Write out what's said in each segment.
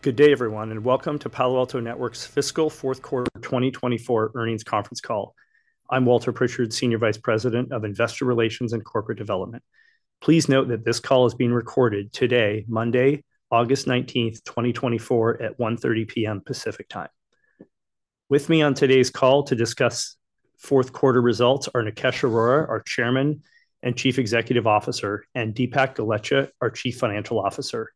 Good day, everyone, and welcome to Palo Alto Networks' fiscal Q4 2024 earnings conference call. I'm Walter Pritchard, Senior Vice President of Investor Relations and Corporate Development. Please note that this call is being recorded today, Monday, August 19, 2024, at 1:30 P.M. Pacific Time. With me on today's call to discuss fourth quarter results are Nikesh Arora, our Chairman and Chief Executive Officer, and Dipak Golechha, our Chief Financial Officer.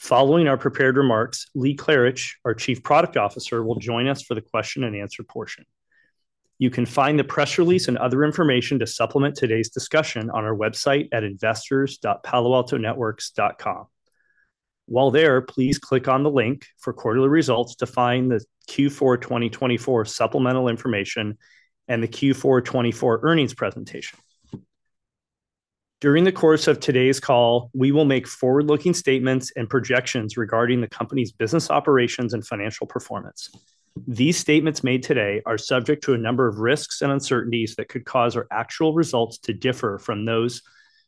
Following our prepared remarks, Lee Klarich, our Chief Product Officer, will join us for the question and answer portion. You can find the press release and other information to supplement today's discussion on our website at investors.paloaltonetworks.com. While there, please click on the link for quarterly results to find the Q4 2024 supplemental information and the Q4 24 earnings presentation. During the course of today's call, we will make forward-looking statements and projections regarding the company's business operations and financial performance. These statements made today are subject to a number of risks and uncertainties that could cause our actual results to differ from those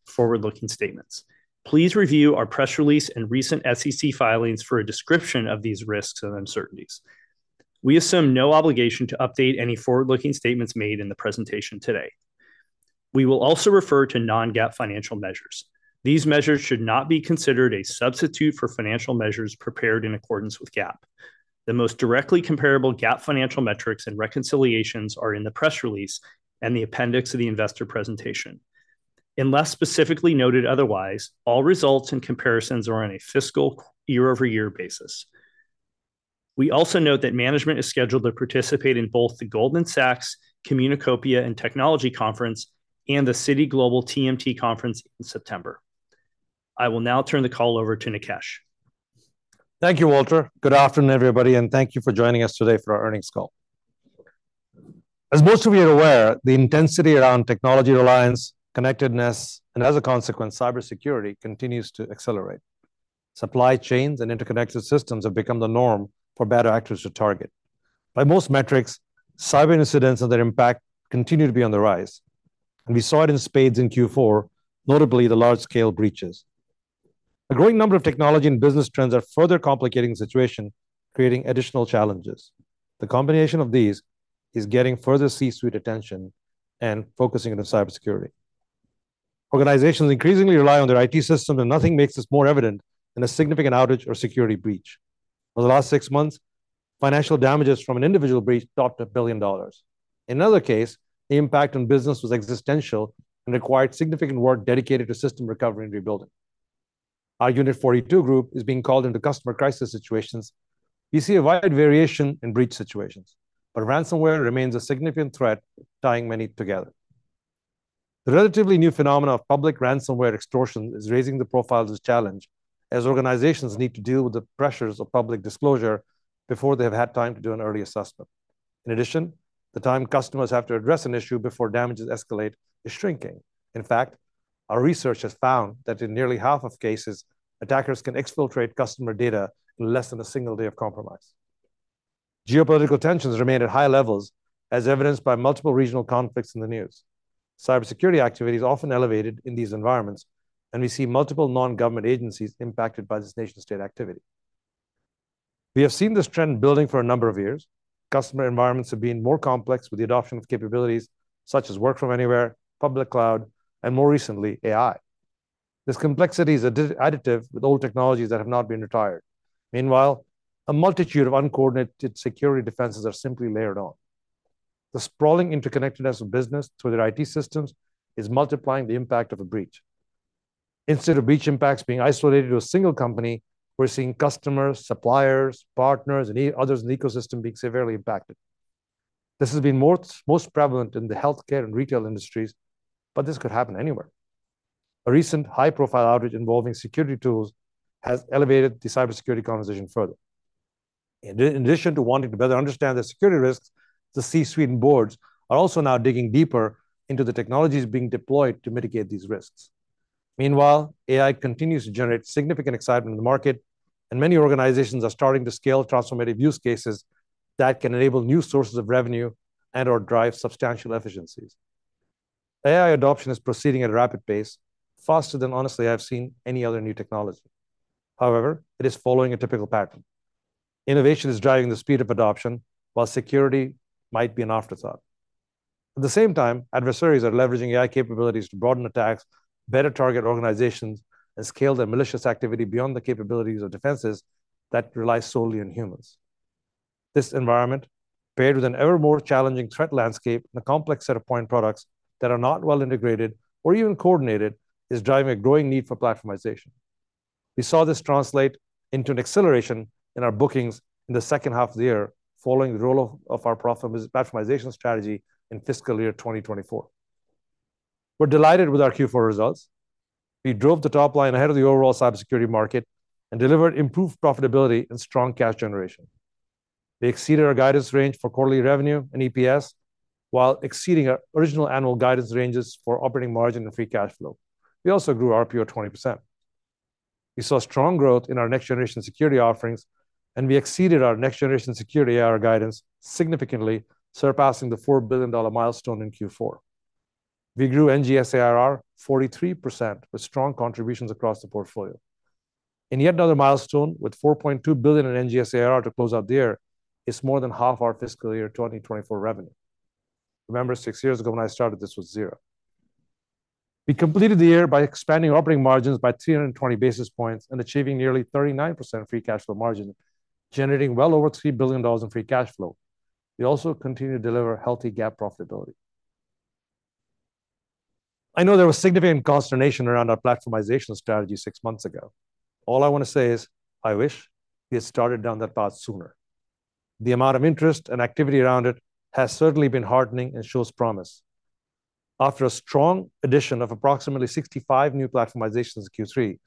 forward-looking statements. Please review our press release and recent SEC filings for a description of these risks and uncertainties. We assume no obligation to update any forward-looking statements made in the presentation today. We will also refer to non-GAAP financial measures. These measures should not be considered a substitute for financial measures prepared in accordance with GAAP. The most directly comparable GAAP financial metrics and reconciliations are in the press release and the appendix of the investor presentation. Unless specifically noted otherwise, all results and comparisons are on a fiscal year-over-year basis. We also note that management is scheduled to participate in both the Goldman Sachs Communacopia and Technology Conference and the Citi Global TMT Conference in September. I will now turn the call over to Nikesh. Thank you, Walter. Good afternoon, everybody, and thank you for joining us today for our earnings call. As most of you are aware, the intensity around technology reliance, connectedness, and as a consequence, cybersecurity, continues to accelerate. Supply chains and interconnected systems have become the norm for bad actors to target. By most metrics, cyber incidents and their impact continue to be on the rise, and we saw it in spades in Q4, notably the large-scale breaches. A growing number of technology and business trends are further complicating the situation, creating additional challenges. The combination of these is getting further C-suite attention and focusing on the cybersecurity. Organizations increasingly rely on their IT system, and nothing makes this more evident than a significant outage or security breach. Over the last six months, financial damages from an individual breach topped $1 billion. In another case, the impact on business was existential and required significant work dedicated to system recovery and rebuilding. Our Unit 42 group is being called into customer crisis situations. We see a wide variation in breach situations, but ransomware remains a significant threat, tying many together. The relatively new phenomenon of public ransomware extortion is raising the profile of this challenge, as organizations need to deal with the pressures of public disclosure before they have had time to do an early assessment. In addition, the time customers have to address an issue before damages escalate is shrinking. In fact, our research has found that in nearly half of cases, attackers can exfiltrate customer data in less than a single day of compromise. Geopolitical tensions remain at high levels, as evidenced by multiple regional conflicts in the news. Cybersecurity activity is often elevated in these environments, and we see multiple non-government agencies impacted by this nation-state activity. We have seen this trend building for a number of years. Customer environments have been more complex with the adoption of capabilities such as work from anywhere, public cloud, and more recently, AI. This complexity is additive with old technologies that have not been retired. Meanwhile, a multitude of uncoordinated security defenses are simply layered on. The sprawling interconnectedness of business through their IT systems is multiplying the impact of a breach. Instead of breach impacts being isolated to a single company, we're seeing customers, suppliers, partners, and others in the ecosystem being severely impacted. This has been most prevalent in the healthcare and retail industries, but this could happen anywhere. A recent high-profile outage involving security tools has elevated the cybersecurity conversation further. In addition to wanting to better understand the security risks, the C-suite and boards are also now digging deeper into the technologies being deployed to mitigate these risks. Meanwhile, AI continues to generate significant excitement in the market, and many organizations are starting to scale transformative use cases that can enable new sources of revenue and/or drive substantial efficiencies. AI adoption is proceeding at a rapid pace, faster than honestly I've seen any other new technology. However, it is following a typical pattern. Innovation is driving the speed of adoption, while security might be an afterthought. At the same time, adversaries are leveraging AI capabilities to broaden attacks, better target organizations, and scale their malicious activity beyond the capabilities of defenses that rely solely on humans. This environment, paired with an ever more challenging threat landscape and a complex set of point products that are not well integrated or even coordinated, is driving a growing need for platformization. We saw this translate into an acceleration in our bookings in the second half of the year, following the rollout of our platformization strategy in FY 2024. We're delighted with our Q4 results. We drove the top line ahead of the overall cybersecurity market and delivered improved profitability and strong cash generation. We exceeded our guidance range for quarterly revenue and EPS, while exceeding our original annual guidance ranges for operating margin and free cash flow. We also grew RPO 20%. We saw strong growth in our Next-Generation Security offerings, and we exceeded our Next-Generation Security ARR guidance, significantly surpassing the $4 billion milestone in Q4. We grew NGS ARR 43%, with strong contributions across the portfolio. Yet another milestone, with $4.2 billion in NGS ARR to close out the year, is more than half our fiscal year 2024 revenue. Remember, six years ago when I started, this was zero. We completed the year by expanding operating margins by 320 basis points and achieving nearly 39% free cash flow margin, generating well over $3 billion in free cash flow. We also continued to deliver healthy GAAP profitability. I know there was significant consternation around our platformization strategy six months ago. All I want to say is, I wish we had started down that path sooner. The amount of interest and activity around it has certainly been heartening and shows promise. After a strong addition of approximately 65 new platformizations in Q3,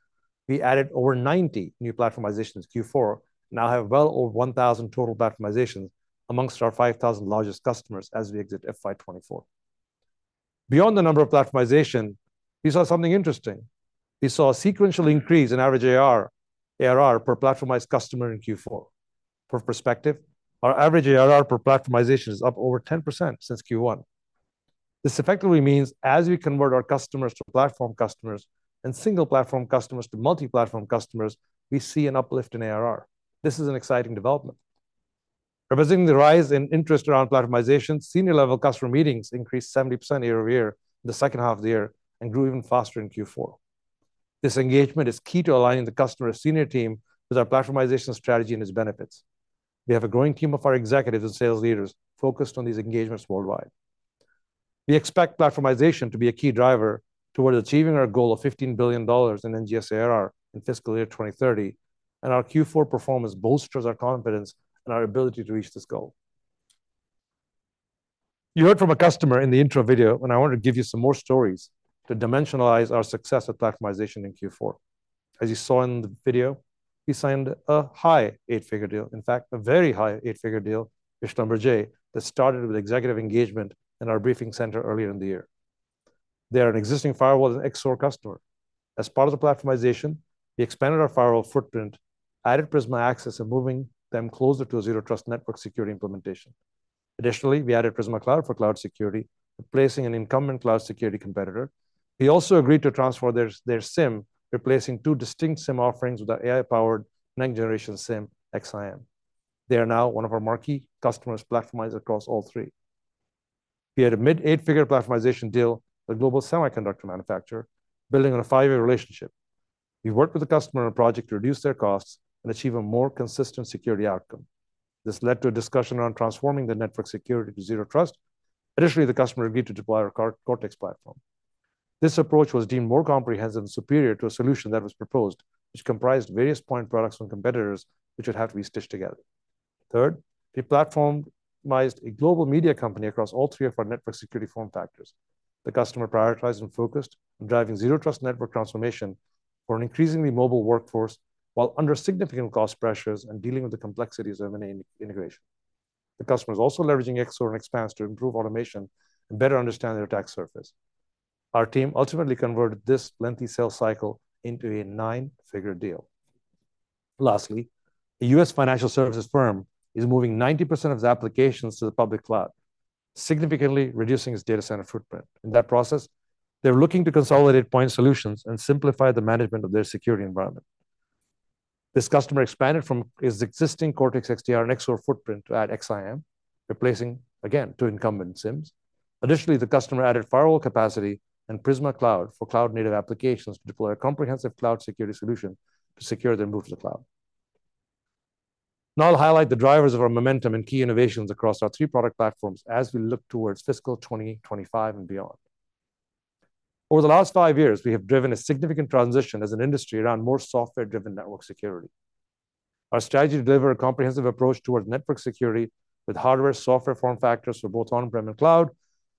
we added over 90 new platformizations in Q4, now have well over 1000 total platformizations among our 5000 largest customers as we exit FY 2024. Beyond the number of platformization, we saw something interesting. We saw a sequential increase in average ARR per platformized customer in Q4. For perspective, our average ARR per platformization is up over 10% since Q1. This effectively means as we convert our customers to platform customers and single platform customers to multi-platform customers, we see an uplift in ARR. This is an exciting development. Representing the rise in interest around platformization, senior-level customer meetings increased 70% year over year in the second half of the year and grew even faster in Q4. This engagement is key to aligning the customer's senior team with our platformization strategy and its benefits. We have a growing team of our executives and sales leaders focused on these engagements worldwide. We expect platformization to be a key driver towards achieving our goal of $15 billion in NGS ARR in fiscal year 2030, and our Q4 performance bolsters our confidence and our ability to reach this goal. You heard from a customer in the intro video, and I wanted to give you some more stories to dimensionalize our success at platformization in Q4. As you saw in the video, we signed a high eight-figure deal, in fact, a very high eight-figure deal with Grupo Bimbo, that started with executive engagement in our briefing center earlier in the year. They are an existing firewall and XSOAR customer. As part of the platformization, we expanded our firewall footprint, added Prisma Access, and moving them closer to a Zero Trust network security implementation. Additionally, we added Prisma Cloud for cloud security, replacing an incumbent cloud security competitor. We also agreed to transfer their SIEM, replacing two distinct SIEM offerings with our AI-powered next-generation SIEM, XSIAM. They are now one of our marquee customers, platformized across all three. We had a mid eight-figure platformization deal with a global semiconductor manufacturer, building on a five-year relationship. We worked with the customer on a project to reduce their costs and achieve a more consistent security outcome. This led to a discussion on transforming the network security to Zero Trust. Additionally, the customer agreed to deploy our Cortex platform. This approach was deemed more comprehensive and superior to a solution that was proposed, which comprised various point products from competitors, which would have to be stitched together. Third, we platformized a global media company across all three of our network security form factors. The customer prioritized and focused on driving Zero Trust network transformation for an increasingly mobile workforce, while under significant cost pressures and dealing with the complexities of an integration. The customer is also leveraging XSOAR and Expanse to improve automation and better understand their attack surface. Our team ultimately converted this lengthy sales cycle into a nine-figure deal. Lastly, a U.S. financial services firm is moving 90% of its applications to the public cloud, significantly reducing its data center footprint. In that process, they're looking to consolidate point solutions and simplify the management of their security environment. This customer expanded from its existing Cortex XDR and XSOAR footprint to add XSIAM, replacing, again, two incumbent SIEMs. Additionally, the customer added firewall capacity and Prisma Cloud for cloud-native applications to deploy a comprehensive cloud security solution to secure their move to the cloud. Now I'll highlight the drivers of our momentum and key innovations across our three product platforms as we look towards fiscal 2025 and beyond. Over the last five years, we have driven a significant transition as an industry around more software-driven network security. Our strategy to deliver a comprehensive approach towards network security with hardware, software form factors for both on-prem and cloud,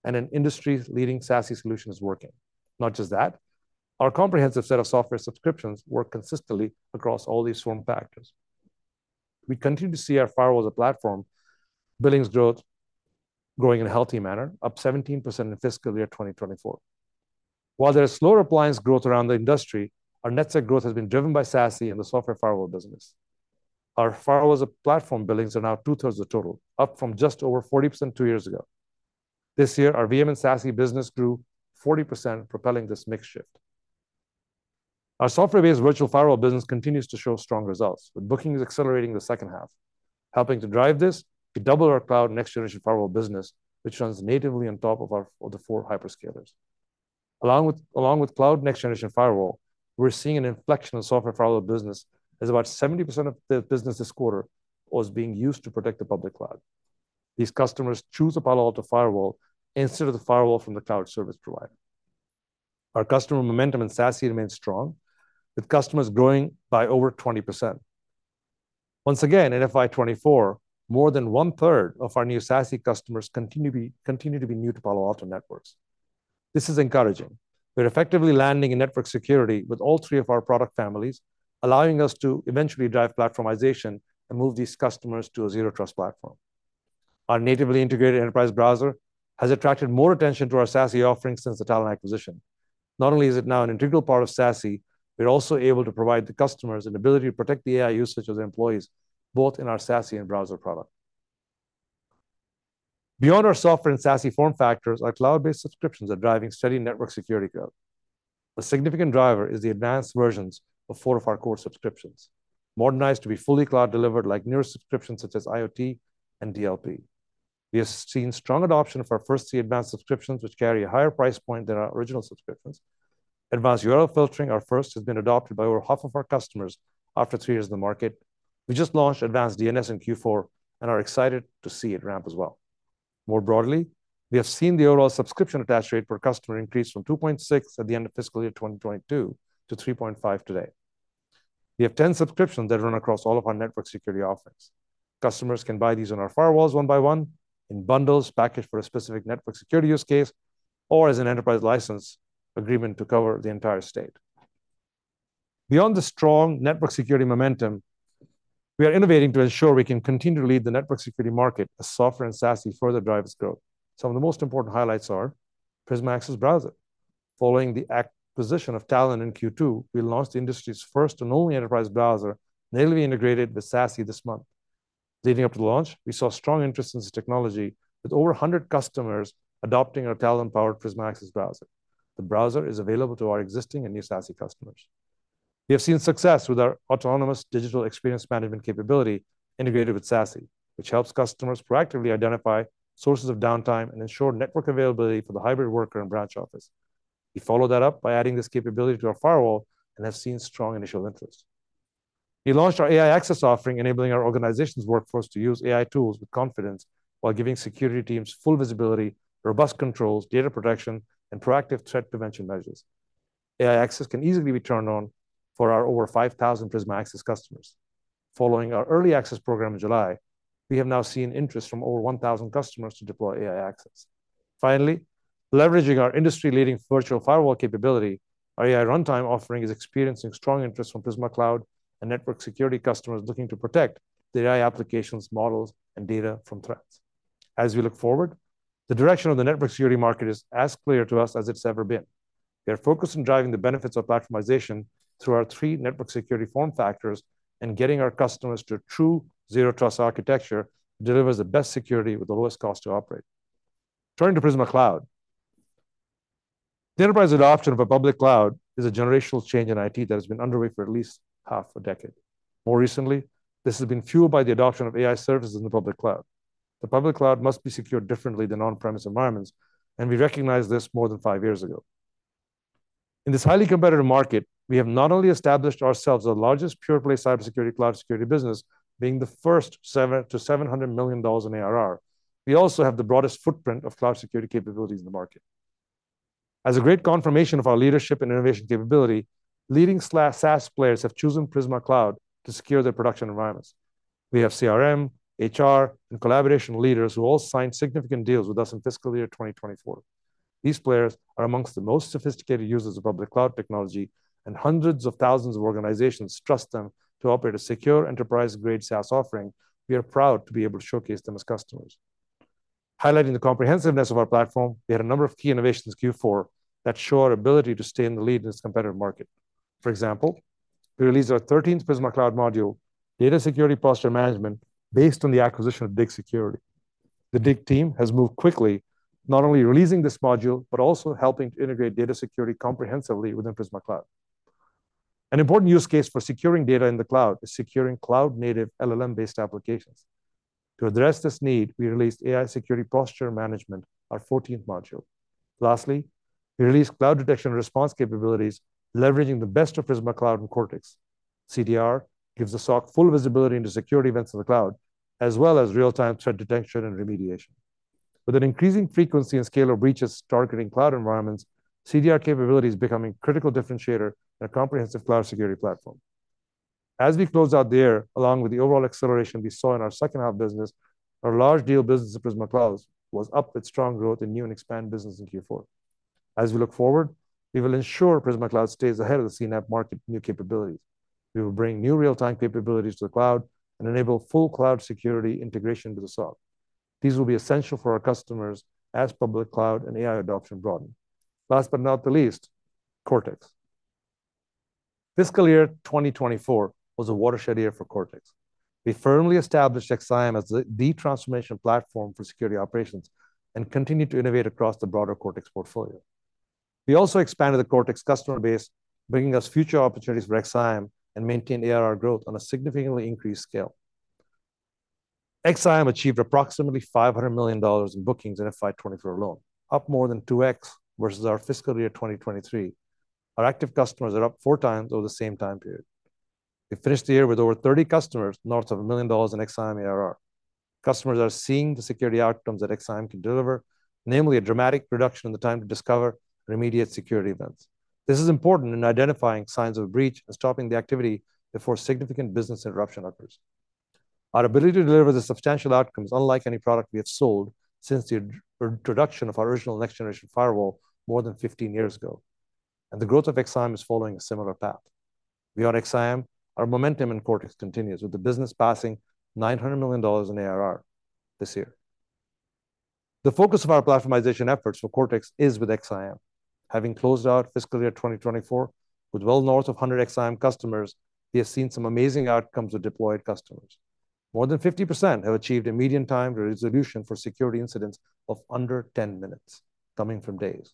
and an industry-leading SASE solution is working. Not just that, our comprehensive set of software subscriptions work consistently across all these form factors. We continue to see our firewall as a platform, billings growth growing in a healthy manner, up 17% in fiscal year 2024. While there is slower appliance growth around the industry, our net sec growth has been driven by SASE and the software firewall business. Our Firewall as a Platform billings are now two-thirds of total, up from just over 40% two years ago. This year, our VM and SASE business grew 40%, propelling this mix shift. Our software-based virtual firewall business continues to show strong results, with bookings accelerating in the second half, helping to drive this to double our Cloud Next-Generation Firewall business, which runs natively on top of the four hyperscalers. Along with Cloud Next-Generation Firewall, we're seeing an inflection in software firewall business, as about 70% of the business this quarter was being used to protect the public cloud. These customers choose a Palo Alto firewall instead of the firewall from the cloud service provider. Our customer momentum in SASE remains strong, with customers growing by over 20%. Once again, in FY 24, more than one-third of our new SASE customers continue to be new to Palo Alto Networks. This is encouraging. We're effectively landing in network security with all three of our product families, allowing us to eventually drive platformization and move these customers to a Zero Trust platform. Our natively integrated enterprise browser has attracted more attention to our SASE offerings since the Talon acquisition. Not only is it now an integral part of SASE, we're also able to provide the customers an ability to protect the AI usage of their employees, both in our SASE and browser product. Beyond our software and SASE form factors, our cloud-based subscriptions are driving steady network security growth. A significant driver is the advanced versions of four of our core subscriptions, modernized to be fully cloud-delivered, like newer subscriptions such as IoT and DLP. We have seen strong adoption of our first three advanced subscriptions, which carry a higher price point than our original subscriptions. Advanced URL Filtering, our first, has been adopted by over half of our customers after three years in the market. We just launched Advanced DNS in Q4 and are excited to see it ramp as well. More broadly, we have seen the overall subscription attach rate per customer increase from 2.6 at the end of fiscal year 2022 to 3.5 today. We have 10 subscriptions that run across all of our network security offerings. Customers can buy these on our firewalls one by one, in bundles packaged for a specific network security use case, or as an Enterprise License Agreement to cover the entire state. Beyond the strong network security momentum, we are innovating to ensure we can continue to lead the network security market as software and SASE further drives growth. Some of the most important highlights are Prisma Access Browser. Following the acquisition of Talon in Q2, we launched the industry's first and only enterprise browser, natively integrated with SASE, this month. Leading up to the launch, we saw strong interest in this technology, with over one hundred customers adopting our Talon-powered Prisma Access Browser. The browser is available to our existing and new SASE customers. We have seen success with our autonomous digital experience management capability integrated with SASE, which helps customers proactively identify sources of downtime and ensure network availability for the hybrid worker and branch office. We followed that up by adding this capability to our firewall and have seen strong initial interest. We launched our AI Access offering, enabling our organization's workforce to use AI tools with confidence while giving security teams full visibility, robust controls, data protection, and proactive threat prevention measures. AI Access can easily be turned on for our over 5,000 Prisma Access customers. Following our early access program in July, we have now seen interest from over 1,000 customers to deploy AI Access. Finally, leveraging our industry-leading virtual firewall capability, our AI Runtime Security offering is experiencing strong interest from Prisma Cloud and network security customers looking to protect their AI applications, models, and data from threats. As we look forward, the direction of the network security market is as clear to us as it's ever been. We are focused on driving the benefits of platformization through our three network security form factors and getting our customers to a true Zero Trust architecture that delivers the best security with the lowest cost to operate. Turning to Prisma Cloud, the enterprise adoption of a public cloud is a generational change in IT that has been underway for at least half a decade. More recently, this has been fueled by the adoption of AI services in the public cloud. The public cloud must be secured differently than on-premise environments, and we recognized this more than five years ago. In this highly competitive market, we have not only established ourselves as the largest pure-play cybersecurity cloud security business, being the first from $7 million to $700 million in ARR, we also have the broadest footprint of cloud security capabilities in the market. As a great confirmation of our leadership and innovation capability, leading SaaS players have chosen Prisma Cloud to secure their production environments. We have CRM, HR, and collaboration leaders who all signed significant deals with us in fiscal year 2024. These players are among the most sophisticated users of public cloud technology, and hundreds of thousands of organizations trust them to operate a secure, enterprise-grade SaaS offering. We are proud to be able to showcase them as customers. Highlighting the comprehensiveness of our platform, we had a number of key innovations in Q4 that show our ability to stay in the lead in this competitive market. For example, we released our 13th Prisma Cloud module, Data Security Posture Management, based on the acquisition of Dig Security. The Dig team has moved quickly, not only releasing this module, but also helping to integrate data security comprehensively within Prisma Cloud. An important use case for securing data in the cloud is securing cloud-native LLM-based applications. To address this need, we released AI Security Posture Management, our fourteenth module. Lastly, we released Cloud Detection and Response capabilities, leveraging the best of Prisma Cloud and Cortex. CDR gives the SOC full visibility into security events in the cloud, as well as real-time threat detection and remediation. With an increasing frequency and scale of breaches targeting cloud environments, CDR capability is becoming a critical differentiator in a comprehensive cloud security platform. As we close out the year, along with the overall acceleration we saw in our second half business, our large deal business at Prisma Cloud was up with strong growth in new and expanded business in Q4. As we look forward, we will ensure Prisma Cloud stays ahead of the CNAPP market new capabilities. We will bring new real-time capabilities to the cloud and enable full cloud security integration to the SOC. These will be essential for our customers as public cloud and AI adoption broaden. Last but not the least, Cortex. Fiscal year 2024 was a watershed year for Cortex. We firmly established XSIAM as the transformation platform for security operations and continued to innovate across the broader Cortex portfolio. We also expanded the Cortex customer base, bringing us future opportunities for XSIAM and maintain ARR growth on a significantly increased scale. XSIAM achieved approximately $500 million in bookings in FY 2024 alone, up more than 2x versus our fiscal year 2023. Our active customers are up four times over the same time period. We finished the year with over 30 customers, north of $1 million in XSIAM ARR. Customers are seeing the security outcomes that XSIAM can deliver, namely a dramatic reduction in the time to discover and remediate security events. This is important in identifying signs of a breach and stopping the activity before significant business interruption occurs. Our ability to deliver the substantial outcomes, unlike any product we have sold since the introduction of our original next-generation firewall more than fifteen years ago, and the growth of XSIAM is following a similar path. Beyond XSIAM, our momentum in Cortex continues, with the business passing $900 million in ARR this year. The focus of our platformization efforts for Cortex is with XSIAM. Having closed out fiscal year 2024 with well north of hundred XSIAM customers, we have seen some amazing outcomes with deployed customers. More than 50% have achieved a median time to resolution for security incidents of under 10 minutes, coming from days.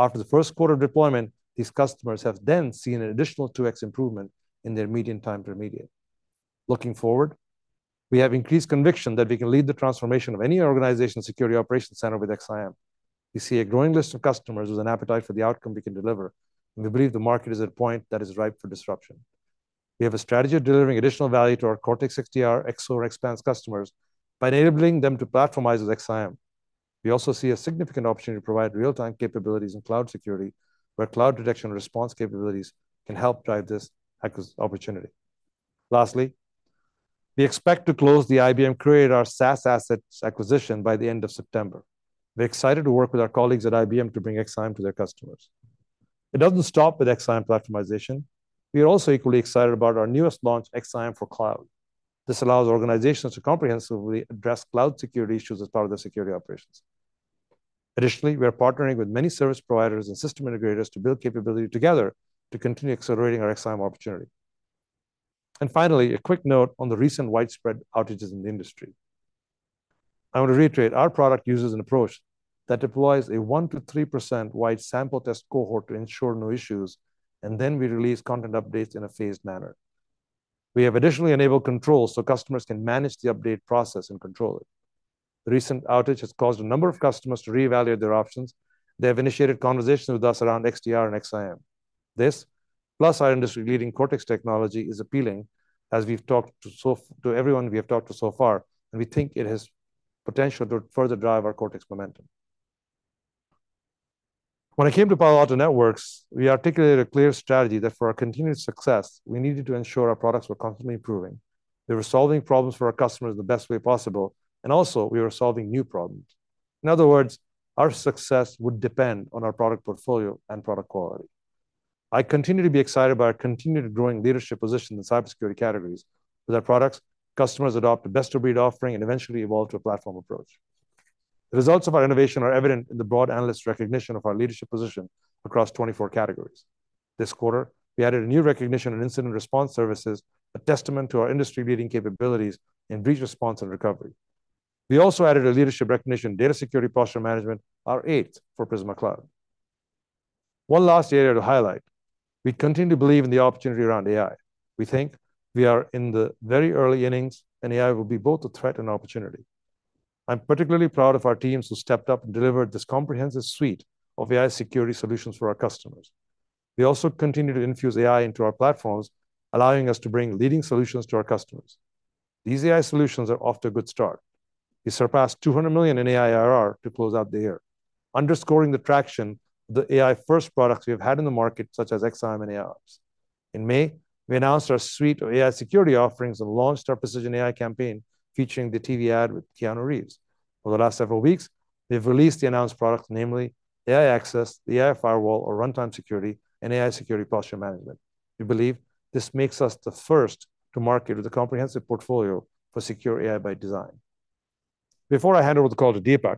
After the first quarter deployment, these customers have then seen an additional 2X improvement in their median time to remediate. Looking forward, we have increased conviction that we can lead the transformation of any organization security operations center with XSIAM. We see a growing list of customers with an appetite for the outcome we can deliver, and we believe the market is at a point that is ripe for disruption. We have a strategy of delivering additional value to our Cortex XDR, XSOAR, Expanse customers by enabling them to platformize with XSIAM. We also see a significant opportunity to provide real-time capabilities in cloud security, where cloud detection response capabilities can help drive this opportunity. Lastly, we expect to close the IBM QRadar SaaS assets acquisition by the end of September. We're excited to work with our colleagues at IBM to bring XSIAM to their customers. It doesn't stop with XSIAM platformization. We are also equally excited about our newest launch, XSIAM for Cloud. This allows organizations to comprehensively address cloud security issues as part of their security operations. Additionally, we are partnering with many service providers and system integrators to build capability together to continue accelerating our XSIAM opportunity. And finally, a quick note on the recent widespread outages in the industry. I want to reiterate, our product uses an approach that deploys a 1%-3% wide sample test cohort to ensure no issues, and then we release content updates in a phased manner. We have additionally enabled controls so customers can manage the update process and control it. The recent outage has caused a number of customers to reevaluate their options. They have initiated conversations with us around XDR and XSIAM. This, plus our industry-leading Cortex technology, is appealing as we've talked to everyone we have talked to so far, and we think it has potential to further drive our Cortex momentum. When it came to Palo Alto Networks, we articulated a clear strategy that for our continued success, we needed to ensure our products were constantly improving. They were solving problems for our customers the best way possible, and also we were solving new problems. In other words, our success would depend on our product portfolio and product quality. I continue to be excited about our continued growing leadership position in cybersecurity categories. With our products, customers adopt a best-of-breed offering and eventually evolve to a platform approach. The results of our innovation are evident in the broad analyst recognition of our leadership position across 24 categories. This quarter, we added a new recognition and incident response services, a testament to our industry-leading capabilities in breach response and recovery. We also added a leadership recognition, Data Security Posture Management, our eighth for Prisma Cloud. One last area to highlight, we continue to believe in the opportunity around AI. We think we are in the very early innings, and AI will be both a threat and opportunity. I'm particularly proud of our teams who stepped up and delivered this comprehensive suite of AI security solutions for our customers. We also continue to infuse AI into our platforms, allowing us to bring leading solutions to our customers. These AI solutions are off to a good start. We surpassed $200 million in AI ARR to close out the year, underscoring the traction the AI-first products we have had in the market, such as XSIAM and AIOps. In May, we announced our suite of AI security offerings and launched our Precision AI campaign, featuring the TV ad with Keanu Reeves. Over the last several weeks, we've released the announced products, namely AI Access, the AI firewall or AI Runtime Security, and AI Security Posture Management. We believe this makes us the first to market with a comprehensive portfolio for secure AI by design. Before I hand over the call to Dipak,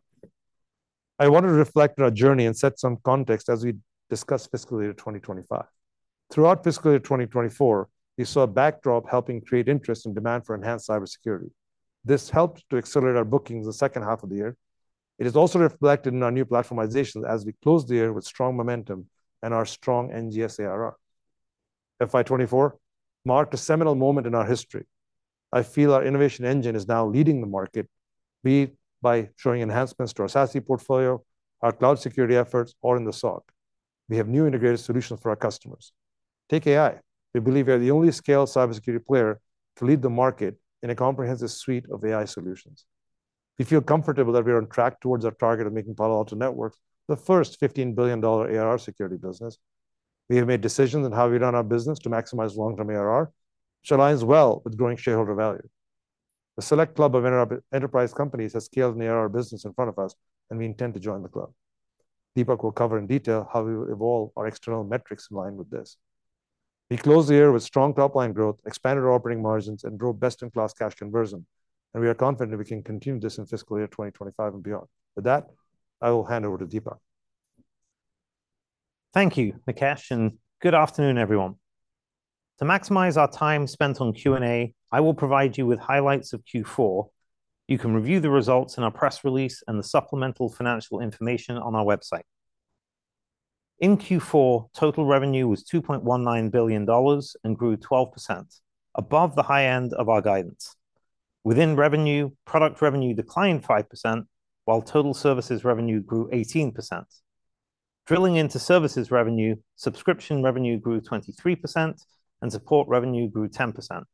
I wanted to reflect on our journey and set some context as we discuss fiscal year 2025. Throughout fiscal year 2024, we saw a backdrop helping create interest and demand for enhanced cybersecurity. This helped to accelerate our bookings the second half of the year. It is also reflected in our new platformization as we close the year with strong momentum and our strong NGS ARR. FY 2024 marked a seminal moment in our history. I feel our innovation engine is now leading the market, be it by showing enhancements to our SASE portfolio, our cloud security efforts, or in the SOC. We have new integrated solutions for our customers. Take AI. We believe we are the only scale cybersecurity player to lead the market in a comprehensive suite of AI solutions. We feel comfortable that we are on track towards our target of making Palo Alto Networks the first $15 billion ARR security business. We have made decisions on how we run our business to maximize long-term ARR, which aligns well with growing shareholder value. A select club of enterprise companies has scaled near our business in front of us, and we intend to join the club. Dipak will cover in detail how we will evolve our external metrics in line with this. We closed the year with strong top-line growth, expanded our operating margins, and drove best-in-class cash conversion, and we are confident we can continue this in FY 2025 and beyond. With that, I will hand over to Dipak. Thank you, Nikesh, and good afternoon, everyone. To maximize our time spent on Q&A, I will provide you with highlights of Q4. You can review the results in our press release and the supplemental financial information on our website. In Q4, total revenue was $2.19 billion and grew 12%, above the high end of our guidance. Within revenue, product revenue declined 5%, while total services revenue grew 18%. Drilling into services revenue, subscription revenue grew 23% and support revenue grew 10%.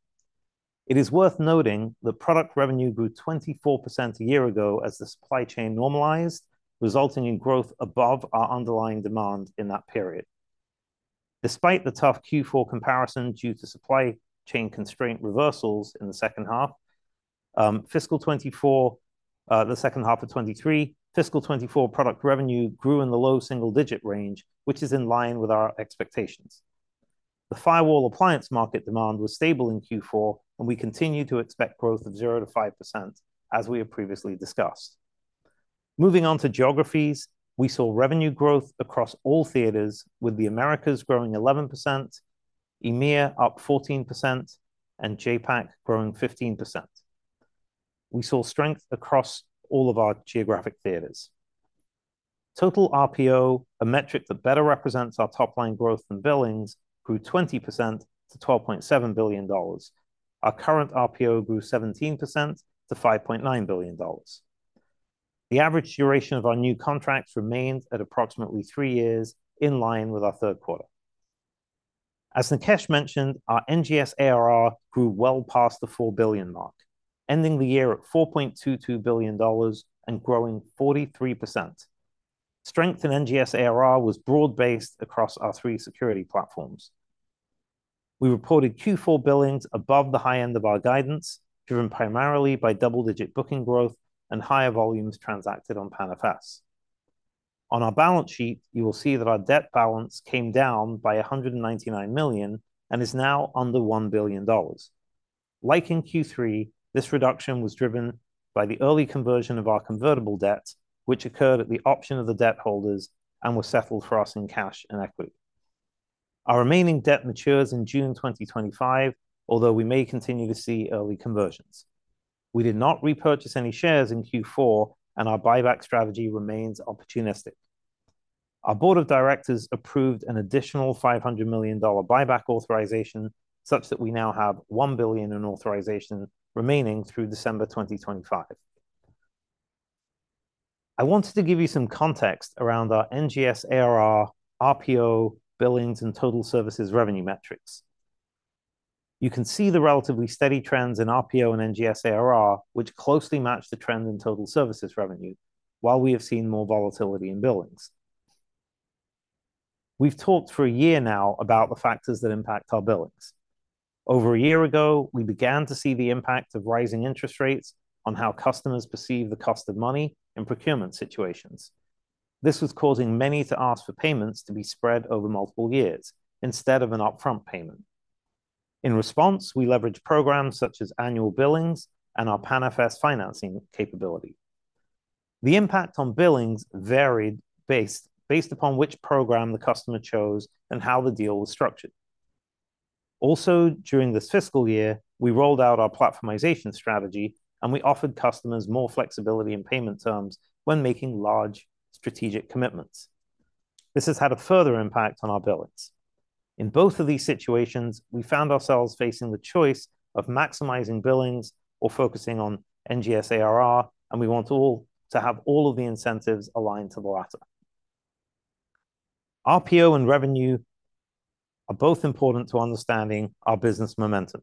It is worth noting that product revenue grew 24% a year ago as the supply chain normalized, resulting in growth above our underlying demand in that period. Despite the tough Q4 comparison, due to supply chain constraint reversals in the H2, FY 2024, the H2 23, FY 24 product revenue grew in the low single-digit range, which is in line with our expectations. The firewall appliance market demand was stable in Q4, and we continue to expect growth of 0% to 5%, as we have previously discussed. Moving on to geographies, we saw revenue growth across all theaters, with the Americas growing 11%, EMEA up 14%, and JAPAC growing 15%. We saw strength across all of our geographic theaters. Total RPO, a metric that better represents our top-line growth and billings, grew 20% to $12.7 billion. Our current RPO grew 17% to $5.9 billion. The average duration of our new contracts remains at approximately three years, in line with our third quarter. As Nikesh mentioned, our NGS ARR grew well past the four billion mark, ending the year at $4.22 billion and growing 43%. Strength in NGS ARR was broad-based across our three security platforms. We reported Q4 billings above the high end of our guidance, driven primarily by double-digit booking growth and higher volumes transacted on PANFS. On our balance sheet, you will see that our debt balance came down by $199 million and is now under $1 billion. Like in Q3, this reduction was driven by the early conversion of our convertible debt, which occurred at the option of the debt holders and was settled for us in cash and equity. Our remaining debt matures in June 2025, although we may continue to see early conversions. We did not repurchase any shares in Q4, and our buyback strategy remains opportunistic. Our board of directors approved an additional $500 million buyback authorization, such that we now have $1 billion in authorization remaining through December 2025. I wanted to give you some context around our NGS ARR, RPO, billings, and total services revenue metrics. You can see the relatively steady trends in RPO and NGS ARR, which closely match the trend in total services revenue, while we have seen more volatility in billings. We've talked for a year now about the factors that impact our billings. Over a year ago, we began to see the impact of rising interest rates on how customers perceive the cost of money in procurement situations. This was causing many to ask for payments to be spread over multiple years instead of an upfront payment. In response, we leveraged programs such as annual billings and our PANFS financing capability. The impact on billings varied based upon which program the customer chose and how the deal was structured. Also, during this fiscal year, we rolled out our platformization strategy, and we offered customers more flexibility in payment terms when making large strategic commitments. This has had a further impact on our billings. In both of these situations, we found ourselves facing the choice of maximizing billings or focusing on NGS ARR, and we want to have all of the incentives aligned to the latter. RPO and revenue are both important to understanding our business momentum.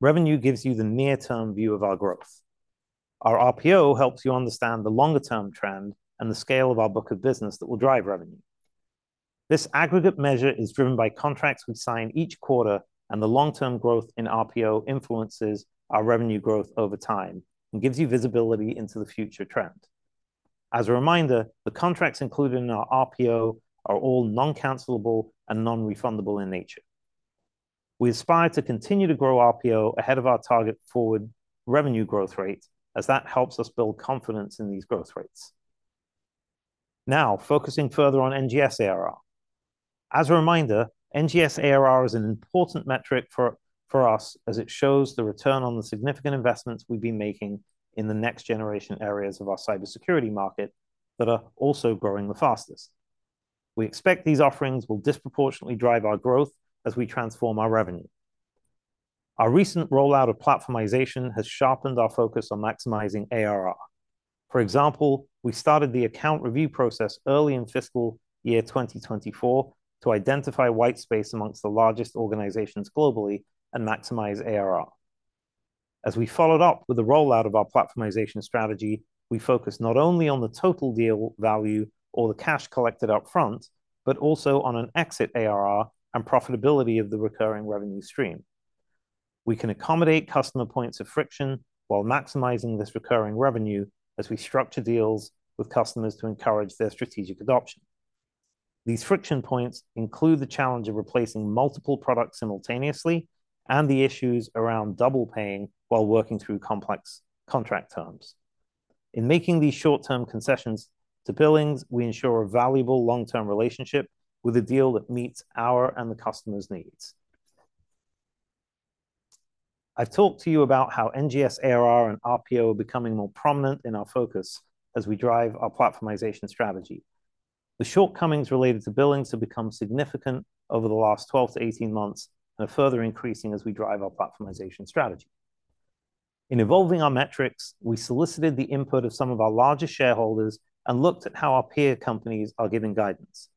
Revenue gives you the near-term view of our growth. Our RPO helps you understand the longer-term trend and the scale of our book of business that will drive revenue. This aggregate measure is driven by contracts we sign each quarter, and the long-term growth in RPO influences our revenue growth over time and gives you visibility into the future trend. As a reminder, the contracts included in our RPO are all non-cancelable and non-refundable in nature. We aspire to continue to grow RPO ahead of our target forward revenue growth rate, as that helps us build confidence in these growth rates. Now, focusing further on NGS ARR. As a reminder, NGS ARR is an important metric for us as it shows the return on the significant investments we've been making in the next-generation areas of our cybersecurity market that are also growing the fastest. We expect these offerings will disproportionately drive our growth as we transform our revenue. Our recent rollout of platformization has sharpened our focus on maximizing ARR. For example, we started the account review process early in fiscal year 2024 to identify white space among the largest organizations globally and maximize ARR. As we followed up with the rollout of our platformization strategy, we focused not only on the total deal value or the cash collected up front, but also on an exit ARR and profitability of the recurring revenue stream. We can accommodate customer points of friction while maximizing this recurring revenue as we structure deals with customers to encourage their strategic adoption. These friction points include the challenge of replacing multiple products simultaneously and the issues around double paying while working through complex contract terms. In making these short-term concessions to billings, we ensure a valuable long-term relationship with a deal that meets our and the customer's needs. I've talked to you about how NGS ARR and RPO are becoming more prominent in our focus as we drive our platformization strategy. The shortcomings related to billings have become significant over the last 12-18 months and are further increasing as we drive our platformization strategy. In evolving our metrics, we solicited the input of some of our largest shareholders and looked at how our peer companies are giving guidance.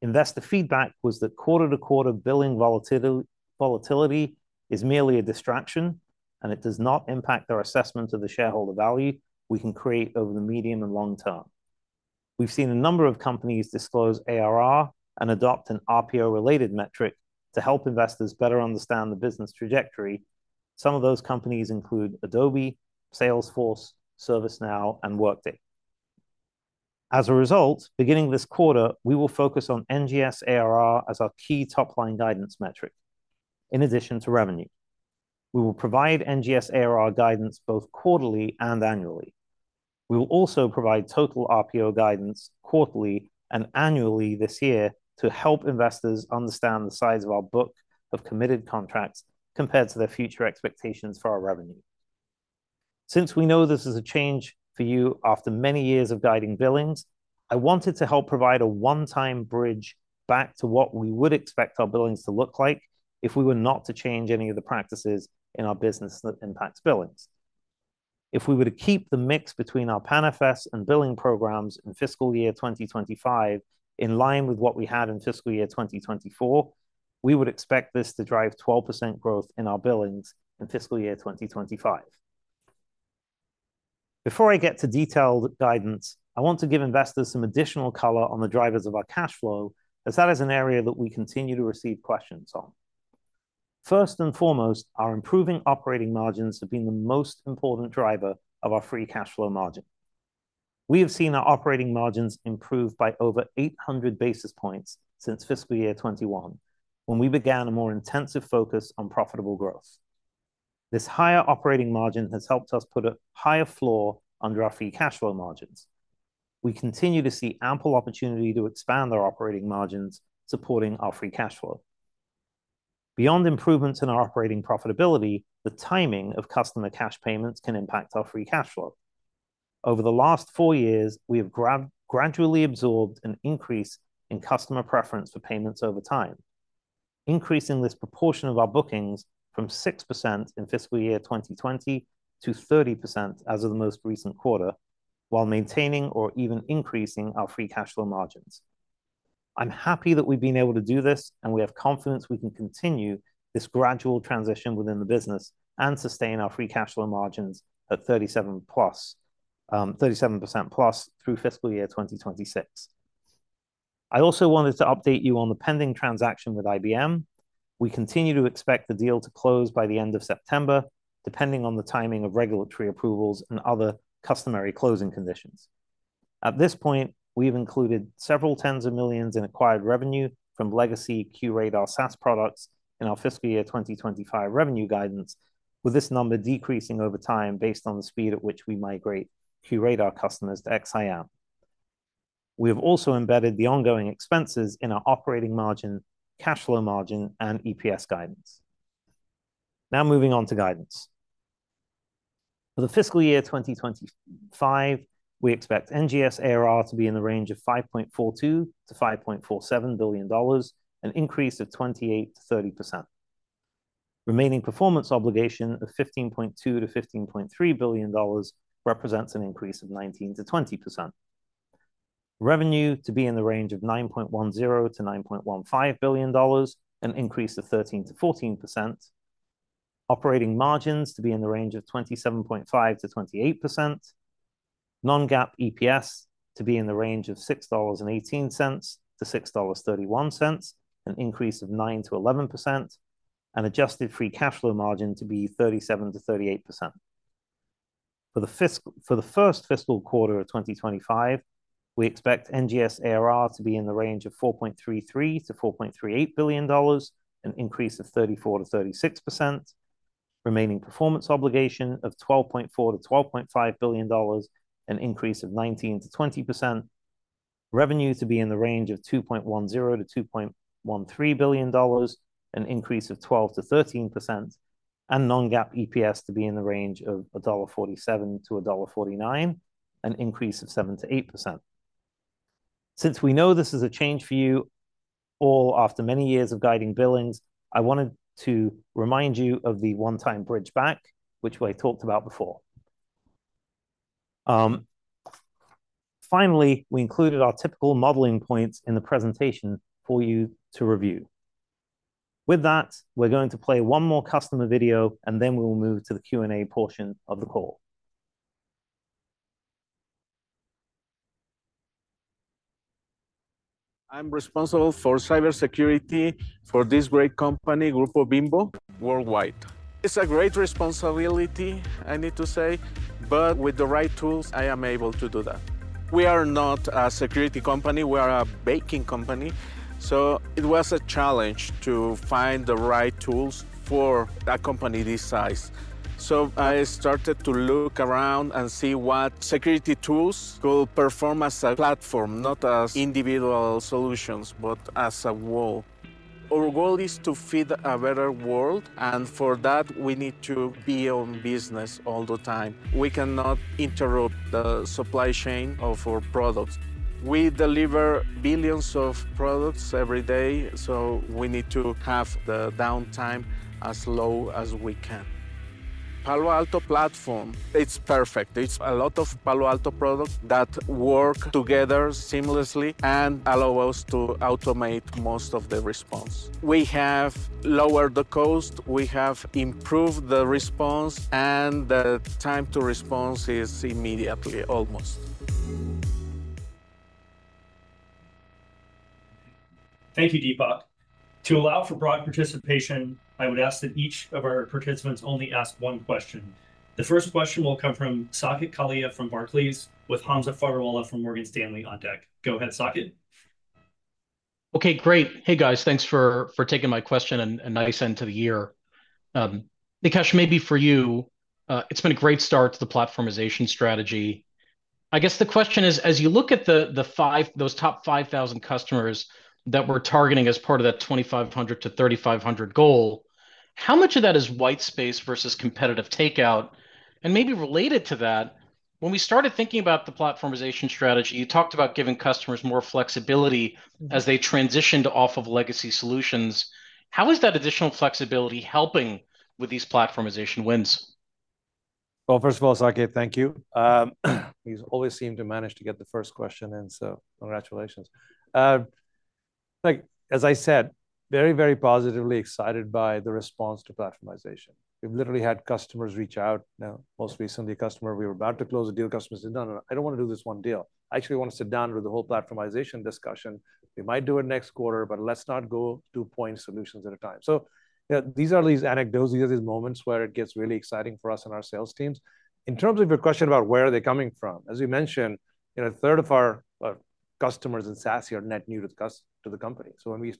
Investor feedback was that quarter-to-quarter billing volatility, volatility is merely a distraction, and it does not impact our assessment of the shareholder value we can create over the medium and long term. We've seen a number of companies disclose ARR and adopt an RPO-related metric to help investors better understand the business trajectory. Some of those companies include Adobe, Salesforce, ServiceNow, and Workday.... As a result, beginning this quarter, we will focus on NGS ARR as our key top-line guidance metric, in addition to revenue. We will provide NGS ARR guidance both quarterly and annually. We will also provide total RPO guidance quarterly and annually this year to help investors understand the size of our book of committed contracts compared to their future expectations for our revenue. Since we know this is a change for you after many years of guiding billings, I wanted to help provide a one-time bridge back to what we would expect our billings to look like if we were not to change any of the practices in our business that impacts billings. If we were to keep the mix between our PANFS and billing programs in fiscal year 2025, in line with what we had in fiscal year 2024, we would expect this to drive 12% growth in our billings in fiscal year 2025. Before I get to detailed guidance, I want to give investors some additional color on the drivers of our cash flow, as that is an area that we continue to receive questions on. First and foremost, our improving operating margins have been the most important driver of our free cash flow margin. We have seen our operating margins improve by over 800 basis points since fiscal year 2021, when we began a more intensive focus on profitable growth. This higher operating margin has helped us put a higher floor under our free cash flow margins. We continue to see ample opportunity to expand our operating margins, supporting our free cash flow. Beyond improvements in our operating profitability, the timing of customer cash payments can impact our free cash flow. Over the last four years, we have gradually absorbed an increase in customer preference for payments over time, increasing this proportion of our bookings from 6% in fiscal year 2020 to 30% as of the most recent quarter, while maintaining or even increasing our free cash flow margins. I'm happy that we've been able to do this, and we have confidence we can continue this gradual transition within the business and sustain our free cash flow margins at 37% plus, 37% plus through fiscal year 2026. I also wanted to update you on the pending transaction with IBM. We continue to expect the deal to close by the end of September, depending on the timing of regulatory approvals and other customary closing conditions. At this point, we've included several tens of millions in acquired revenue from legacy QRadar SaaS products in our fiscal year 2025 revenue guidance, with this number decreasing over time based on the speed at which we migrate QRadar customers to XDR. We have also embedded the ongoing expenses in our operating margin, cash flow margin, and EPS guidance. Now moving on to guidance. For the fiscal year 2025, we expect NGS ARR to be in the range of $5.42-$5.47 billion, an increase of 28%-30%. Remaining performance obligation of $15.2-$15.3 billion represents an increase of 19%-20%. Revenue to be in the range of $9.10-$9.15 billion, an increase of 13%-14%. Operating margins to be in the range of 27.5%-28%. Non-GAAP EPS to be in the range of $6.18-$6.31, an increase of 9%-11%, and adjusted free cash flow margin to be 37%-38%. For the first fiscal quarter of 2025, we expect NGS ARR to be in the range of $4.33-$4.38 billion, an increase of 34%-36%. Remaining performance obligation of $12.4-$12.5 billion, an increase of 19%-20%. Revenue to be in the range of $2.10-$2.13 billion, an increase of 12%-13%, and non-GAAP EPS to be in the range of $1.47-$1.49, an increase of 7%-8%. Since we know this is a change for you all after many years of guiding billings, I wanted to remind you of the one-time bridge back, which I talked about before. Finally, we included our typical modeling points in the presentation for you to review. With that, we're going to play one more customer video, and then we will move to the Q&A portion of the call. I'm responsible for cybersecurity for this great company, Grupo Bimbo, worldwide. It's a great responsibility, I need to say, but with the right tools, I am able to do that. We are not a security company, we are a baking company, so it was a challenge to find the right tools for a company this size. So I started to look around and see what security tools could perform as a platform, not as individual solutions, but as a whole. Our goal is to feed a better world, and for that, we need to be on business all the time. We cannot interrupt the supply chain of our products. We deliver billions of products every day, so we need to have the downtime as low as we can. Palo Alto platform, it's perfect. It's a lot of Palo Alto products that work together seamlessly and allow us to automate most of the response. We have lowered the cost, we have improved the response, and the time to response is immediately, almost.... Thank you, Dipak. To allow for broad participation, I would ask that each of our participants only ask one question. The first question will come from Saket Kalia from Barclays, with Hamza Fodderwala from Morgan Stanley on deck. Go ahead, Saket. Okay, great. Hey, guys. Thanks for taking my question and nice end to the year. Nikesh, maybe for you, it's been a great start to the platformization strategy. I guess the question is, as you look at those top five thousand customers that we're targeting as part of that 2500-3500 goal, how much of that is white space versus competitive takeout? And maybe related to that, when we started thinking about the platformization strategy, you talked about giving customers more flexibility- Mm-hmm... as they transitioned off of legacy solutions. How is that additional flexibility helping with these platformization wins? First of all, Saket, thank you. You always seem to manage to get the first question in, so congratulations. Like, as I said, very, very positively excited by the response to platformization. We've literally had customers reach out. Now, most recently, a customer, we were about to close a deal, customer said, "No, no, no, I don't wanna do this one deal. I actually wanna sit down with the whole platformization discussion. We might do it next quarter, but let's not go point solutions at a time." So yeah, these are these anecdotes. These are these moments where it gets really exciting for us and our sales teams. In terms of your question about where are they coming from, as we mentioned, you know, a third of our customers in SASE are net new to the company. So when we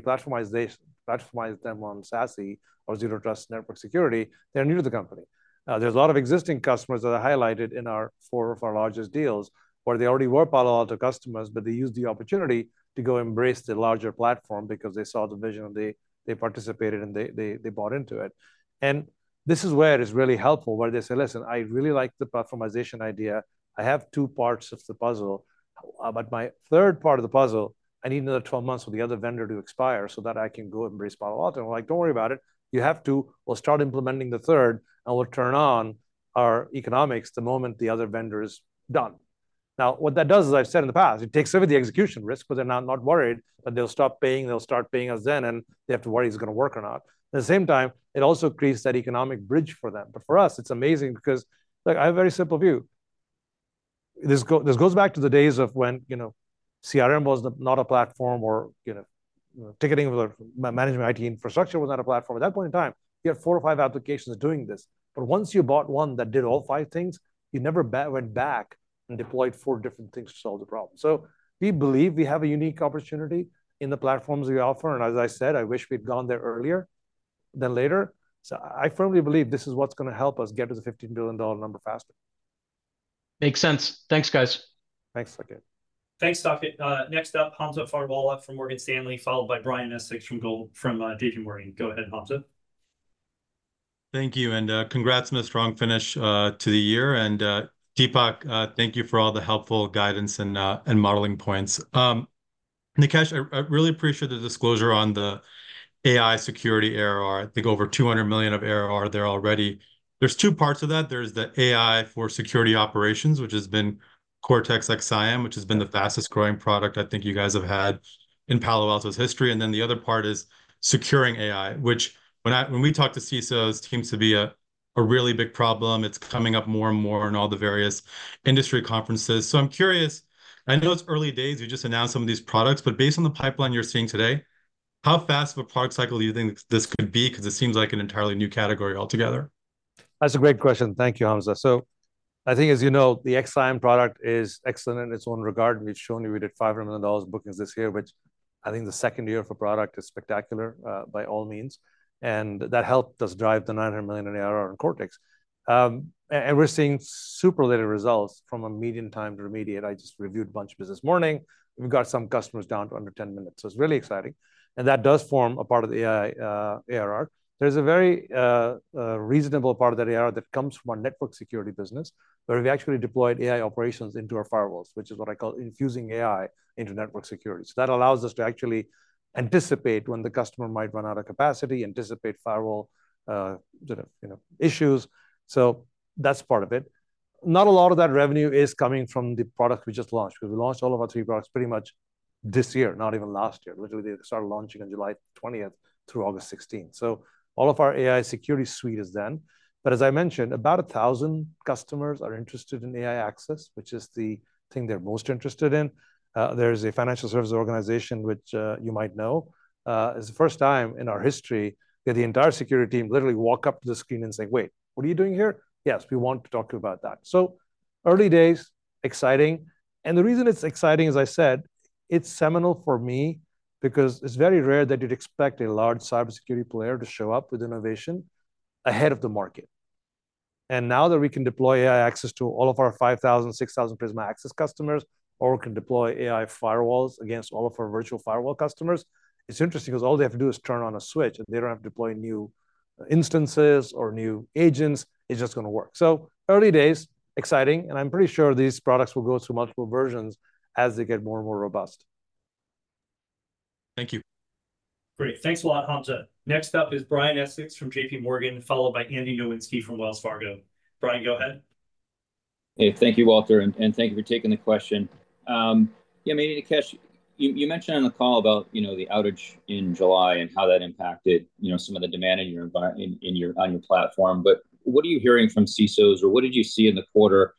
platformize them on SASE or Zero Trust network security, they're new to the company. There's a lot of existing customers that I highlighted in our four of our largest deals, where they already were Palo Alto customers, but they used the opportunity to go embrace the larger platform because they saw the vision and they participated, and they bought into it. This is where it is really helpful, where they say, "Listen, I really like the platformization idea. I have two parts of the puzzle, but my third part of the puzzle, I need another twelve months for the other vendor to expire so that I can go and embrace Palo Alto." I'm like: Don't worry about it. You have to... We'll start implementing the third, and we'll turn on our economics the moment the other vendor is done. Now, what that does is, I've said in the past, it takes over the execution risk because they're now not worried that they'll stop paying. They'll start paying us then, and they have to worry if it's gonna work or not. At the same time, it also creates that economic bridge for them. But for us, it's amazing because, like, I have a very simple view. This goes back to the days of when, you know, CRM was not a platform or, you know, ticketing or managing IT infrastructure was not a platform. At that point in time, you had four or five applications doing this, but once you bought one that did all five things, you never went back and deployed four different things to solve the problem. So we believe we have a unique opportunity in the platforms we offer, and as I said, I wish we'd gone there earlier than later. So I firmly believe this is what's gonna help us get to the $15 billion number faster. Makes sense. Thanks, guys. Thanks, Saket. Thanks, Saket. Next up, Hamza Fodderwala from Morgan Stanley, followed by Brian Essex from JP Morgan. Go ahead, Hamza. Thank you, and, congrats on a strong finish to the year, and, Dipak, thank you for all the helpful guidance and, and modeling points. Nikesh, I, I really appreciate the disclosure on the AI security ARR. I think over 200 million of ARR there already. There's two parts to that. There's the AI for security operations, which has been Cortex XSIAM, which has been the fastest-growing product I think you guys have had in Palo Alto's history, and then the other part is securing AI, which when I- when we talk to CISOs, seems to be a, a really big problem. It's coming up more and more in all the various industry conferences. So I'm curious. I know it's early days. You just announced some of these products, but based on the pipeline you're seeing today, how fast of a product cycle do you think this could be? Because it seems like an entirely new category altogether. That's a great question. Thank you, Hamza. So I think, as you know, the XSIAM product is excellent in its own regard. We've shown you we did $500 million bookings this year, which I think the second year of a product is spectacular by all means. And that helped us drive the $900 million in ARR in Cortex. And we're seeing superlative results from a median time to remediate. I just reviewed a bunch this morning. We've got some customers down to under 10 minutes, so it's really exciting, and that does form a part of the AI ARR. There's a very reasonable part of that ARR that comes from our network security business, where we actually deployed AI operations into our firewalls, which is what I call infusing AI into network security. So that allows us to actually anticipate when the customer might run out of capacity, anticipate firewall, you know, issues. So that's part of it. Not a lot of that revenue is coming from the product we just launched. We've launched all of our three products pretty much this year, not even last year. Literally, they started launching on 20, July through 16, August. So all of our AI security suite is then. But as I mentioned, about a thousand customers are interested in AI Access, which is the thing they're most interested in. There's a financial services organization which you might know. It's the first time in our history that the entire security team literally walk up to the screen and say: "Wait, what are you doing here?" "Yes, we want to talk to you about that." So early days, exciting, and the reason it's exciting, as I said, it's seminal for me because it's very rare that you'd expect a large cybersecurity player to show up with innovation ahead of the market. And now that we can deploy AI Access to all of our five thousand, six thousand Prisma Access customers, or we can deploy AI firewalls against all of our virtual firewall customers, it's interesting, because all they have to do is turn on a switch, and they don't have to deploy new instances or new agents. It's just gonna work. So, early days, exciting, and I'm pretty sure these products will go through multiple versions as they get more and more robust. Thank you. Great. Thanks a lot, Hamza. Next up is Brian Essex from JP Morgan, followed by Andy Nowinski from Wells Fargo. Brian, go ahead. Hey, thank you, Walter, and thank you for taking the question. Yeah, maybe, Nikesh, you mentioned on the call about, you know, the outage in July and how that impacted, you know, some of the demand in your environment on your platform. But what are you hearing from CISOs, or what did you see in the quarter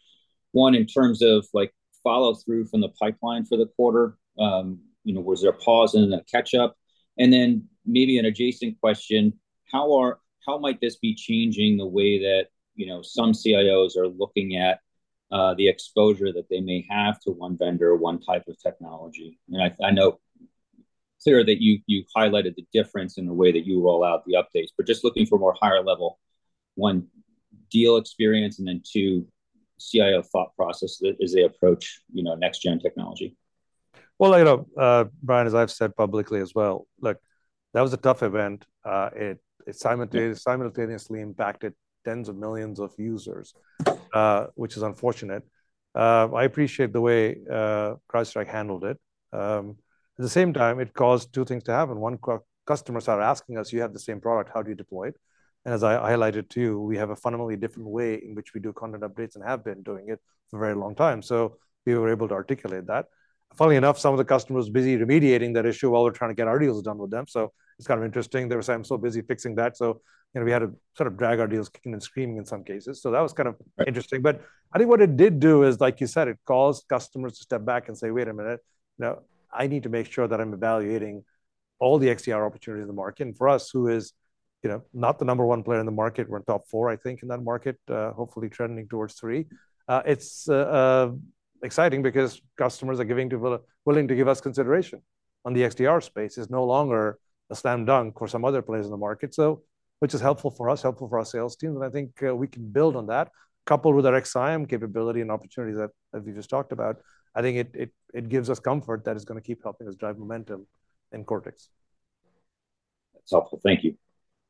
one, in terms of, like, follow-through from the pipeline for the quarter, you know, was there a pause and a catch-up? And then maybe an adjacent question: how might this be changing the way that, you know, some CIOs are looking at the exposure that they may have to one vendor or one type of technology? I know, Sir, that you highlighted the difference in the way that you roll out the updates, but just looking for more higher level, one, deal experience, and then, two, CIO thought process as they approach, you know, next-gen technology. Well, you know, Brian, as I've said publicly as well, look, that was a tough event. It simultaneously impacted tens of millions of users, which is unfortunate. I appreciate the way CrowdStrike handled it. At the same time, it caused two things to happen. One, customers are asking us, "You have the same product. How do you deploy it?" And as I highlighted to you, we have a fundamentally different way in which we do content updates, and have been doing it for a very long time, so we were able to articulate that. Funnily enough, some of the customers busy remediating that issue while we're trying to get our deals done with them, so it's kind of interesting. They were saying, "I'm so busy fixing that," so, you know, we had to sort of drag our deals kicking and screaming in some cases, so that was kind of interesting. But I think what it did do is, like you said, it caused customers to step back and say, "Wait a minute. Now, I need to make sure that I'm evaluating all the XDR opportunities in the market." And for us, who is, you know, not the number one player in the market, we're top four, I think, in that market, hopefully trending towards three, it's exciting because customers are willing to give us consideration on the XDR space. It's no longer a slam dunk for some other players in the market, so which is helpful for us, helpful for our sales team, and I think we can build on that. Coupled with our XSIAM capability and opportunity that we just talked about, I think it gives us comfort that it's gonna keep helping us drive momentum in Cortex. That's helpful. Thank you.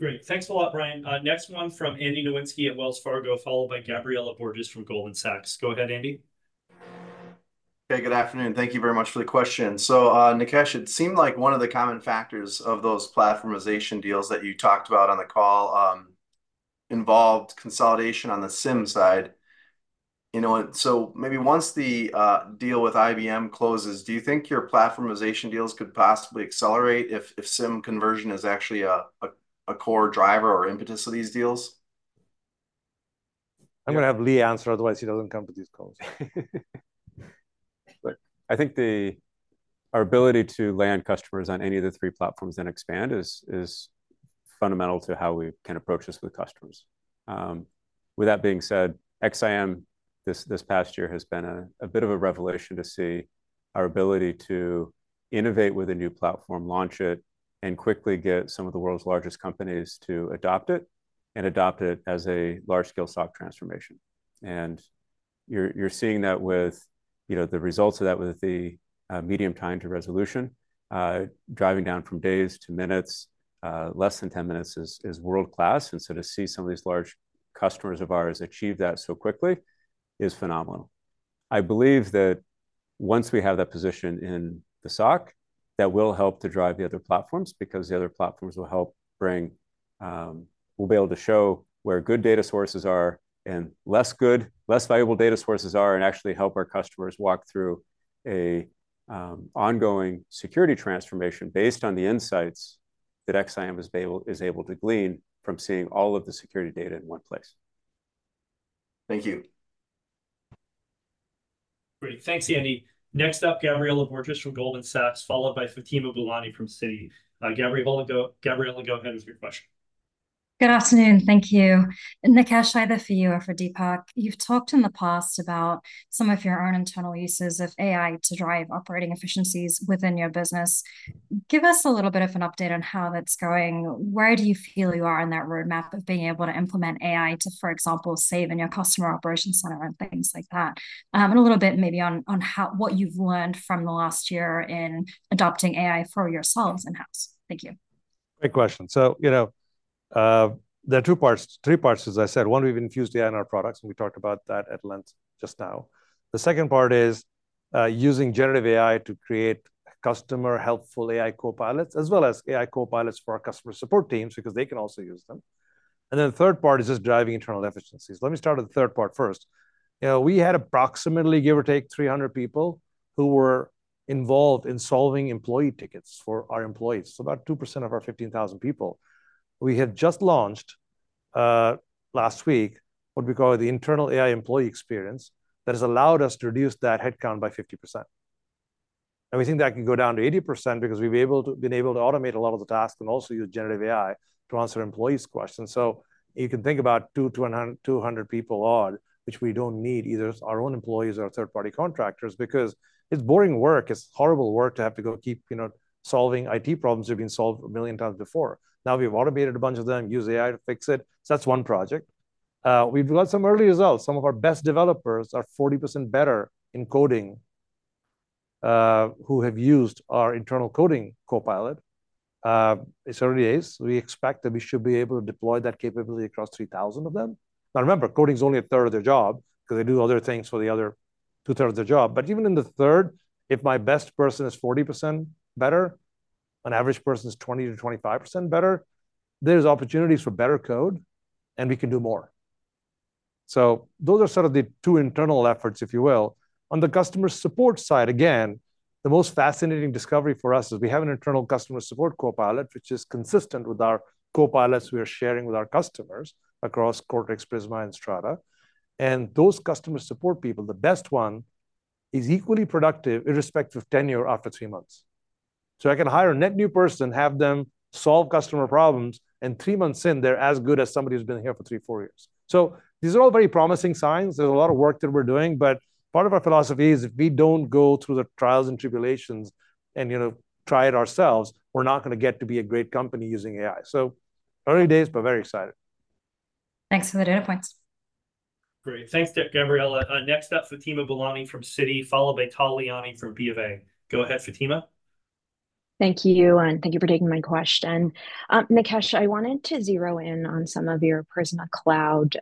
Great. Thanks a lot, Brian. Next one from Andy Nowinski at Wells Fargo, followed by Gabriela Borges from Goldman Sachs. Go ahead, Andy. Hey, good afternoon. Thank you very much for the question. So, Nikesh, it seemed like one of the common factors of those platformization deals that you talked about on the call, involved consolidation on the SIEM side. You know, and so maybe once the deal with IBM closes, do you think your platformization deals could possibly accelerate if SIEM conversion is actually a core driver or impetus of these deals? I'm gonna have Lee answer, otherwise he doesn't come to these calls. Look, I think our ability to land customers on any of the three platforms, then expand, is fundamental to how we can approach this with customers. With that being said, XSIAM, this past year has been a bit of a revelation to see our ability to innovate with a new platform, launch it, and quickly get some of the world's largest companies to adopt it, and adopt it as a large-scale SOC transformation. You're seeing that with, you know, the results of that with the median time to resolution driving down from days to minutes. Less than 10 minutes is world-class, and so to see some of these large customers of ours achieve that so quickly is phenomenal. I believe that once we have that position in the SOC, that will help to drive the other platforms, because the other platforms will help bring. We'll be able to show where good data sources are and less good, less valuable data sources are, and actually help our customers walk through an ongoing security transformation based on the insights that XSIAM is able to glean from seeing all of the security data in one place. Thank you. Great. Thanks, Andy. Next up, Gabriela Borges from Goldman Sachs, followed by Fatima Boolani from Citi. Gabriela, go ahead with your question. Good afternoon. Thank you. Nikesh, either for you or for Dipak, you've talked in the past about some of your own internal uses of AI to drive operating efficiencies within your business. Give us a little bit of an update on how that's going. Where do you feel you are on that roadmap of being able to implement AI to, for example, save in your customer operation center and things like that? And a little bit maybe on what you've learned from the last year in adopting AI for yourselves in-house. Thank you. Great question. So, you know, there are two parts- three parts, as I said. One, we've infused AI in our products, and we talked about that at length just now. The second part is using generative AI to create customer helpful AI copilots, as well as AI copilots for our customer support teams, because they can also use them. And then the third part is just driving internal efficiencies. Let me start with the third part first. You know, we had approximately, give or take, 300 people who were involved in solving employee tickets for our employees, so about 2% of our 15,000 people. We had just launched last week, what we call the internal AI employee experience, that has allowed us to reduce that headcount by 50%. We think that can go down to 80% because we've been able to automate a lot of the tasks and also use generative AI to answer employees' questions. You can think about 200 people odd, which we don't need, either as our own employees or third-party contractors, because it's boring work. It's horrible work to have to keep, you know, solving IT problems that have been solved 1 million times before. Now, we've automated a bunch of them, used AI to fix it, so that's one project. We've got some early results. Some of our best developers are 40% better in coding, who have used our internal coding copilot. It's early days. We expect that we should be able to deploy that capability across 3,000 of them. Now, remember, coding is only a third of their job because they do other things for the other two-thirds of the job. But even in the third, if my best person is 40% better, an average person is 20% to 25% better, there's opportunities for better code, and we can do more. So those are sort of the two internal efforts, if you will. On the customer support side, again. The most fascinating discovery for us is we have an internal customer support copilot, which is consistent with our copilots we are sharing with our customers across Cortex, Prisma, and Strata. And those customer support people, the best one, is equally productive irrespective of tenure after three months. So I can hire a net new person, have them solve customer problems, and three months in, they're as good as somebody who's been here for three, four years. So these are all very promising signs. There's a lot of work that we're doing, but part of our philosophy is if we don't go through the trials and tribulations and, you know, try it ourselves, we're not gonna get to be a great company using AI. So early days, but very excited. Thanks for the data points. Great. Thanks, Gabriela. Next up, Fatima Boolani from Citi, followed by Tal Liani from BofA. Go ahead, Fatima. Thank you, and thank you for taking my question. Nikesh, I wanted to zero in on some of your Prisma Cloud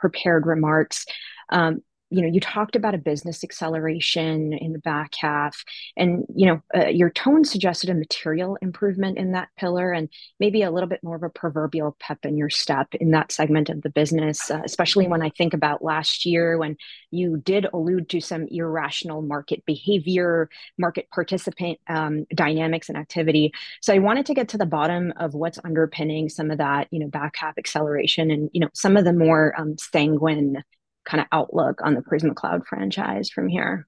prepared remarks. You know, you talked about a business acceleration in the back half, and, you know, your tone suggested a material improvement in that pillar and maybe a little bit more of a proverbial pep in your step in that segment of the business, especially when I think about last year, when you did allude to some irrational market behavior, market participant dynamics and activity. So I wanted to get to the bottom of what's underpinning some of that, you know, back half acceleration and, you know, some of the more sanguine kinda outlook on the Prisma Cloud franchise from here.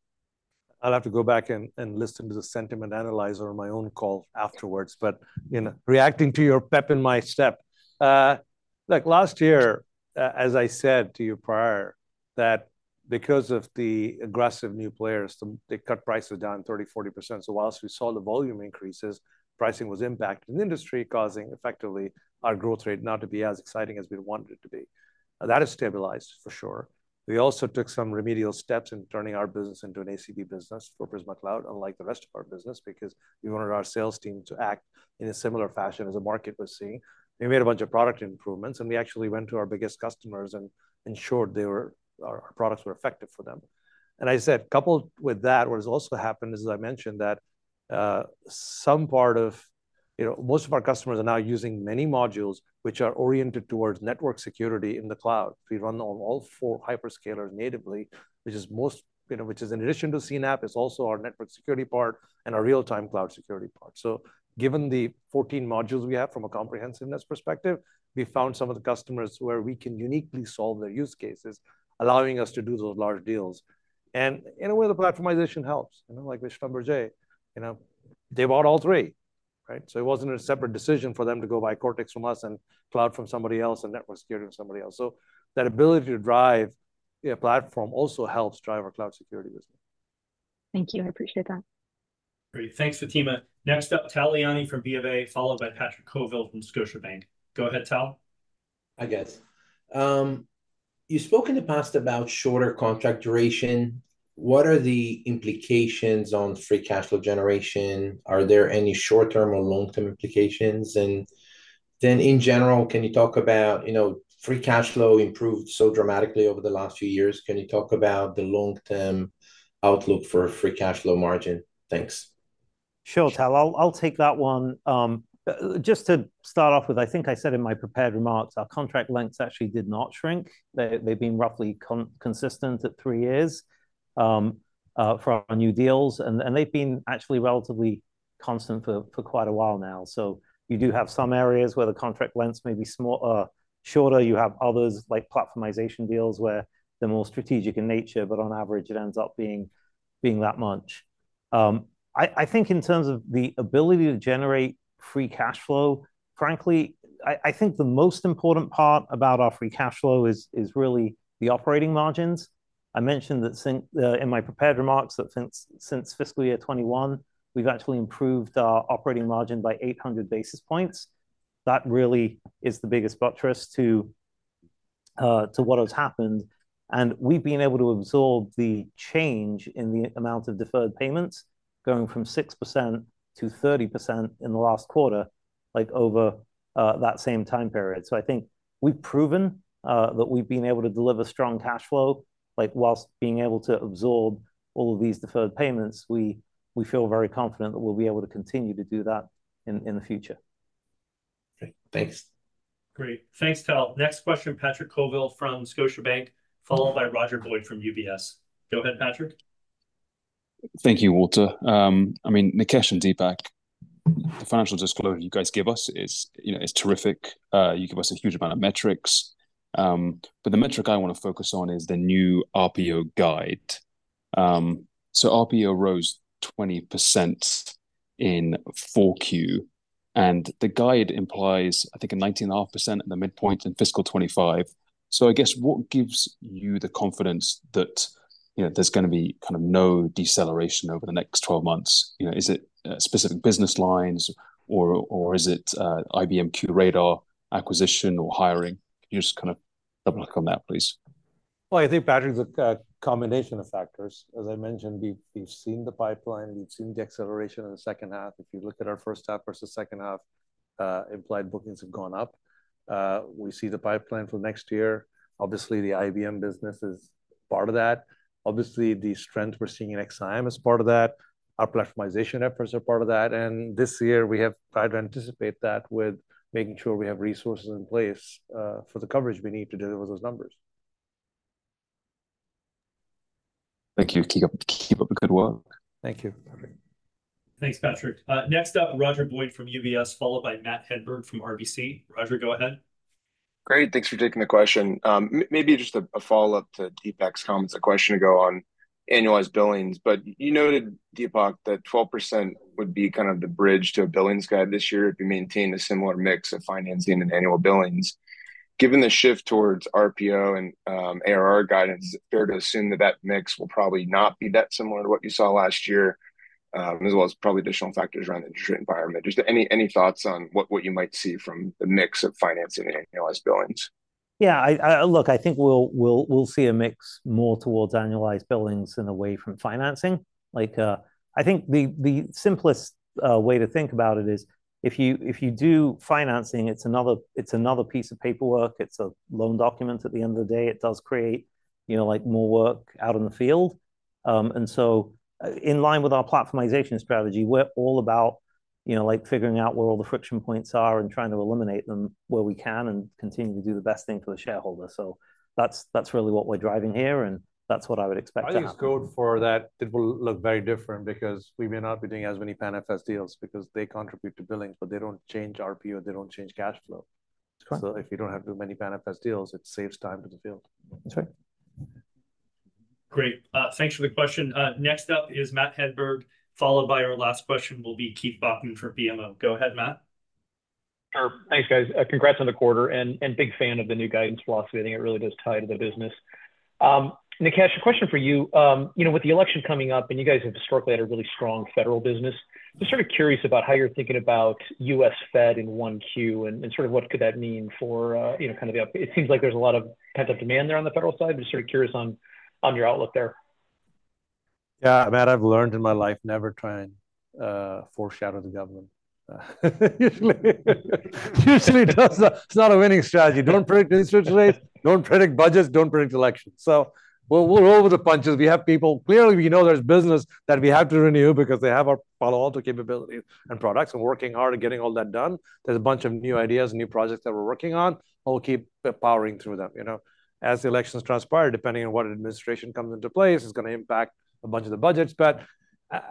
I'll have to go back and listen to the sentiment analyzer on my own call afterwards. But, you know, reacting to your pep in my step, like last year, as I said to you prior, that because of the aggressive new players, they cut prices down 30%-40%. So while we saw the volume increases, pricing was impacted in the industry, causing effectively our growth rate not to be as exciting as we'd want it to be. That has stabilized, for sure. We also took some remedial steps in turning our business into an ACV business for Prisma Cloud, unlike the rest of our business, because we wanted our sales team to act in a similar fashion as the market was seeing. We made a bunch of product improvements, and we actually went to our biggest customers and ensured our products were effective for them. And I said, coupled with that, what has also happened is, as I mentioned, that some part of... You know, most of our customers are now using many modules which are oriented towards network security in the cloud. We run on all four hyperscalers natively, which is most, you know, which is in addition to CNAPP, it's also our network security part and our real-time cloud security part. So given the 14 modules we have from a comprehensiveness perspective, we found some of the customers where we can uniquely solve their use cases, allowing us to do those large deals. And in a way, the platformization helps. You know, like with Schlumberger, you know, they bought all three, right? So it wasn't a separate decision for them to go buy Cortex from us and cloud from somebody else and network security from somebody else. So that ability to drive a platform also helps drive our cloud security business. Thank you. I appreciate that. Great. Thanks, Fatima. Next up, Tal Liani from BofA, followed by Patrick Colville from Scotiabank. Go ahead, Tal. Hi, guys. You spoke in the past about shorter contract duration. What are the implications on free cash flow generation? Are there any short-term or long-term implications? And then, in general, can you talk about, you know, free cash flow improved so dramatically over the last few years? Can you talk about the long-term outlook for free cash flow margin? Thanks. Sure, Tal, I'll take that one. Just to start off with, I think I said in my prepared remarks, our contract lengths actually did not shrink. They've been roughly consistent at three years for our new deals, and they've been actually relatively constant for quite a while now. So you do have some areas where the contract lengths may be shorter. You have others, like platformization deals, where they're more strategic in nature, but on average, it ends up being that much. I think in terms of the ability to generate free cash flow, frankly, I think the most important part about our free cash flow is really the operating margins. I mentioned that in my prepared remarks, that since fiscal year 2021, we've actually improved our operating margin by eight hundred basis points. That really is the biggest buttress to what has happened, and we've been able to absorb the change in the amount of deferred payments, going from 6% to 30% in the last quarter, like, over that same time period. So I think we've proven that we've been able to deliver strong cash flow, like, whilst being able to absorb all of these deferred payments. We feel very confident that we'll be able to continue to do that in the future. Great. Thanks. Great. Thanks, Tal. Next question, Patrick Colville from Scotiabank, followed by Roger Boyd from UBS. Go ahead, Patrick. Thank you, Walter. I mean, Nikesh and Dipak, the financial disclosure you guys give us is, you know, is terrific. You give us a huge amount of metrics, but the metric I want to focus on is the new RPO guide. So RPO rose 20% in Q4, and the guide implies, I think, a 19.5% at the midpoint in fiscal 2025. So I guess, what gives you the confidence that, you know, there's gonna be kind of no deceleration over the next 12 months? You know, is it specific business lines, or, or is it IBM QRadar acquisition or hiring? Can you just kinda double-click on that, please? I think, Patrick, the combination of factors. As I mentioned, we've seen the pipeline, we've seen the acceleration in the second half. If you look at our first half versus second half, implied bookings have gone up. We see the pipeline for next year. Obviously, the IBM business is part of that. Obviously, the strength we're seeing in XSIAM is part of that. Our platformization efforts are part of that, and this year we have tried to anticipate that with making sure we have resources in place for the coverage we need to deliver those numbers. Thank you. Keep up, keep up the good work. Thank you. Thanks, Patrick. Next up, Roger Boyd from UBS, followed by Matt Hedberg from RBC. Roger, go ahead. Great, thanks for taking the question. Maybe just a follow-up to Dipak's comments a question ago on annualized billings. But you noted, Dipak, that 12% would be kind of the bridge to a billings guide this year if you maintain a similar mix of financing and annual billings. Given the shift towards RPO and ARR guidance, is it fair to assume that that mix will probably not be that similar to what you saw last year, as well as probably additional factors around the interest environment? Just any thoughts on what you might see from the mix of financing and annualized billings? Yeah, I... Look, I think we'll see a mix more towards annualized billings and away from financing. Like, I think the simplest way to think about it is, if you do financing, it's another piece of paperwork, it's a loan document. At the end of the day, it does create, you know, like, more work out in the field. And so, in line with our platformization strategy, we're all about, you know, like, figuring out where all the friction points are and trying to eliminate them where we can, and continue to do the best thing for the shareholder. So that's really what we're driving here, and that's what I would expect to happen. I think Q4 for that, it will look very different because we may not be doing as many PANFS deals because they contribute to billings, but they don't change RPO, they don't change cash flow. Correct. If you don't have too many PANFS deals, it saves time in the field. That's right. Great. Thanks for the question. Next up is Matt Hedberg, followed by our last question will be Keith Bachman for BMO. Go ahead, Matt. Sure. Thanks, guys. Congrats on the quarter, and big fan of the new guidance philosophy. I think it really does tie to the business. Nikesh, a question for you. You know, with the election coming up, and you guys have historically had a really strong federal business, just sort of curious about how you're thinking about U.S. Fed in 1Q, and sort of what could that mean for, you know, kind of the up- It seems like there's a lot of pent-up demand there on the federal side. I'm just sort of curious on your outlook there. Yeah, Matt, I've learned in my life, never try and foreshadow the government. Usually it does. It's not a winning strategy. Don't predict interest rates, don't predict budgets, don't predict elections. So we'll roll with the punches. We have people. Clearly, we know there's business that we have to renew because they have our Palo Alto capability and products. We're working hard at getting all that done. There's a bunch of new ideas and new projects that we're working on, and we'll keep powering through them. You know, as the elections transpire, depending on what administration comes into place, it's gonna impact a bunch of the budgets. But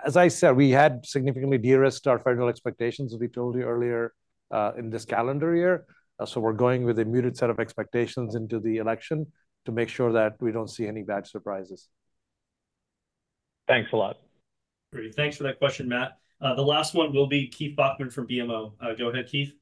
as I said, we had significantly de-risked our federal expectations, as we told you earlier, in this calendar year. So we're going with a muted set of expectations into the election to make sure that we don't see any bad surprises. Thanks a lot. Great. Thanks for that question, Matt. The last one will be Keith Bachman from BMO. Go ahead, Keith.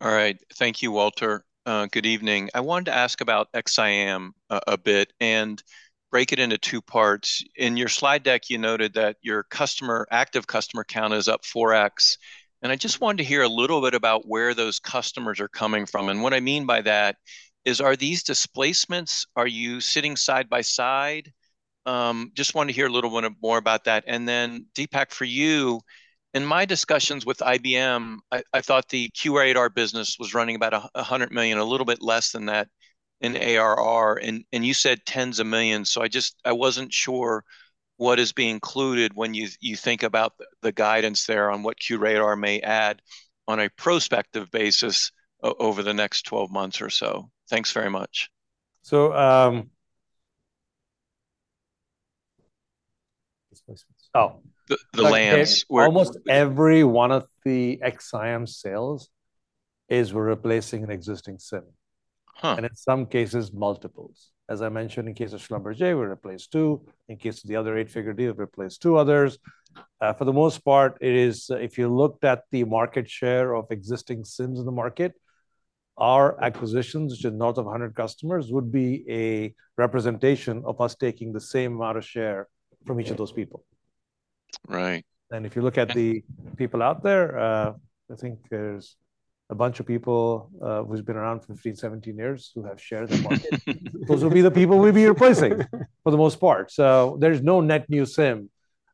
All right. Thank you, Walter. Good evening. I wanted to ask about XSIAM a bit, and break it into two parts. In your slide deck, you noted that your customer active customer count is up 4x, and I just wanted to hear a little bit about where those customers are coming from. And what I mean by that is, are these displacements, are you sitting side by side? Just wanted to hear a little bit more about that. And then, Dipak, for you, in my discussions with IBM, I thought the QRadar business was running about $100 million, a little bit less than that in ARR, and you said tens of millions. I wasn't sure what is being included when you think about the guidance there on what QRadar may add on a prospective basis over the next twelve months or so? Thanks very much. So, displacements- Oh, the lands where- Almost every one of the XSIAM sales, we're replacing an existing SIEM. Huh. In some cases, multiples. As I mentioned, in case of Schlumberger, we replaced two. In case of the other eight-figure deal, we replaced two others. For the most part, it is, if you looked at the market share of existing SIEMs in the market, our acquisitions, which is north of 100 customers, would be a representation of us taking the same amount of share from each of those people. Right. And if you look at the people out there, I think there's a bunch of people who's been around for 15, 17 years, who have shared the market. Those will be the people we'll be replacing, for the most part. So there's no net new SIEM.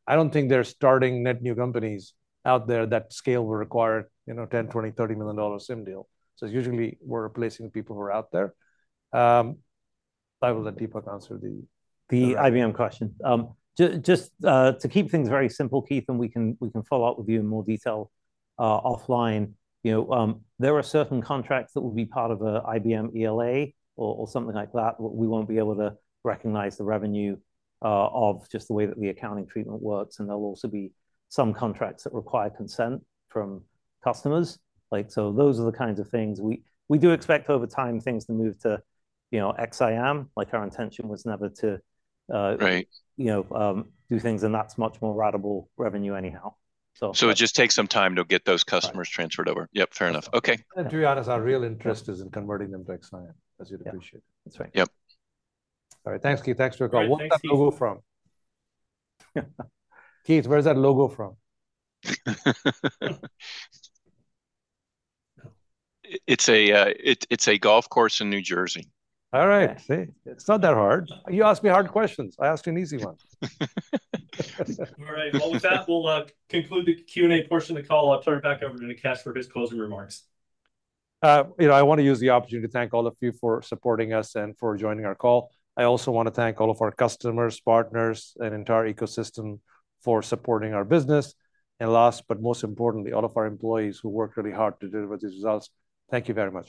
I don't think they're starting net new companies out there that scale will require, you know, $10 million, $20 million, $30 million SIEM deal. So it's usually we're replacing people who are out there. I will let Dipak answer the- The IBM question. Just to keep things very simple, Keith, and we can, we can follow up with you in more detail, offline. You know, there are certain contracts that will be part of an IBM ELA or, or something like that, but we won't be able to recognize the revenue of just the way that the accounting treatment works, and there'll be some contracts that require consent from customers. Like, so those are the kinds of things. We, we do expect over time things to move to, you know, XSIAM, like, our intention was never to. Right... you know, do things, and that's much more ratable revenue anyhow, so- So it just takes some time to get those customers. Right... transferred over. Yep, fair enough. Okay. To be honest, our real interest is in converting them to XSIAM, as you'd appreciate. That's right. Yep. All right. Thanks, Keith. Thanks for your call. All right, thanks, Keith. Where's that logo from? Keith, where is that logo from? It's a golf course in New Jersey. All right. Yeah. See? It's not that hard. You asked me hard questions. I asked you an easy one. All right. Well, with that, we'll conclude the Q&A portion of the call. I'll turn it back over to Nikesh for his closing remarks. You know, I want to use the opportunity to thank all of you for supporting us and for joining our call. I also want to thank all of our customers, partners, and entire ecosystem for supporting our business, and last, but most importantly, all of our employees who work really hard to deliver these results. Thank you very much.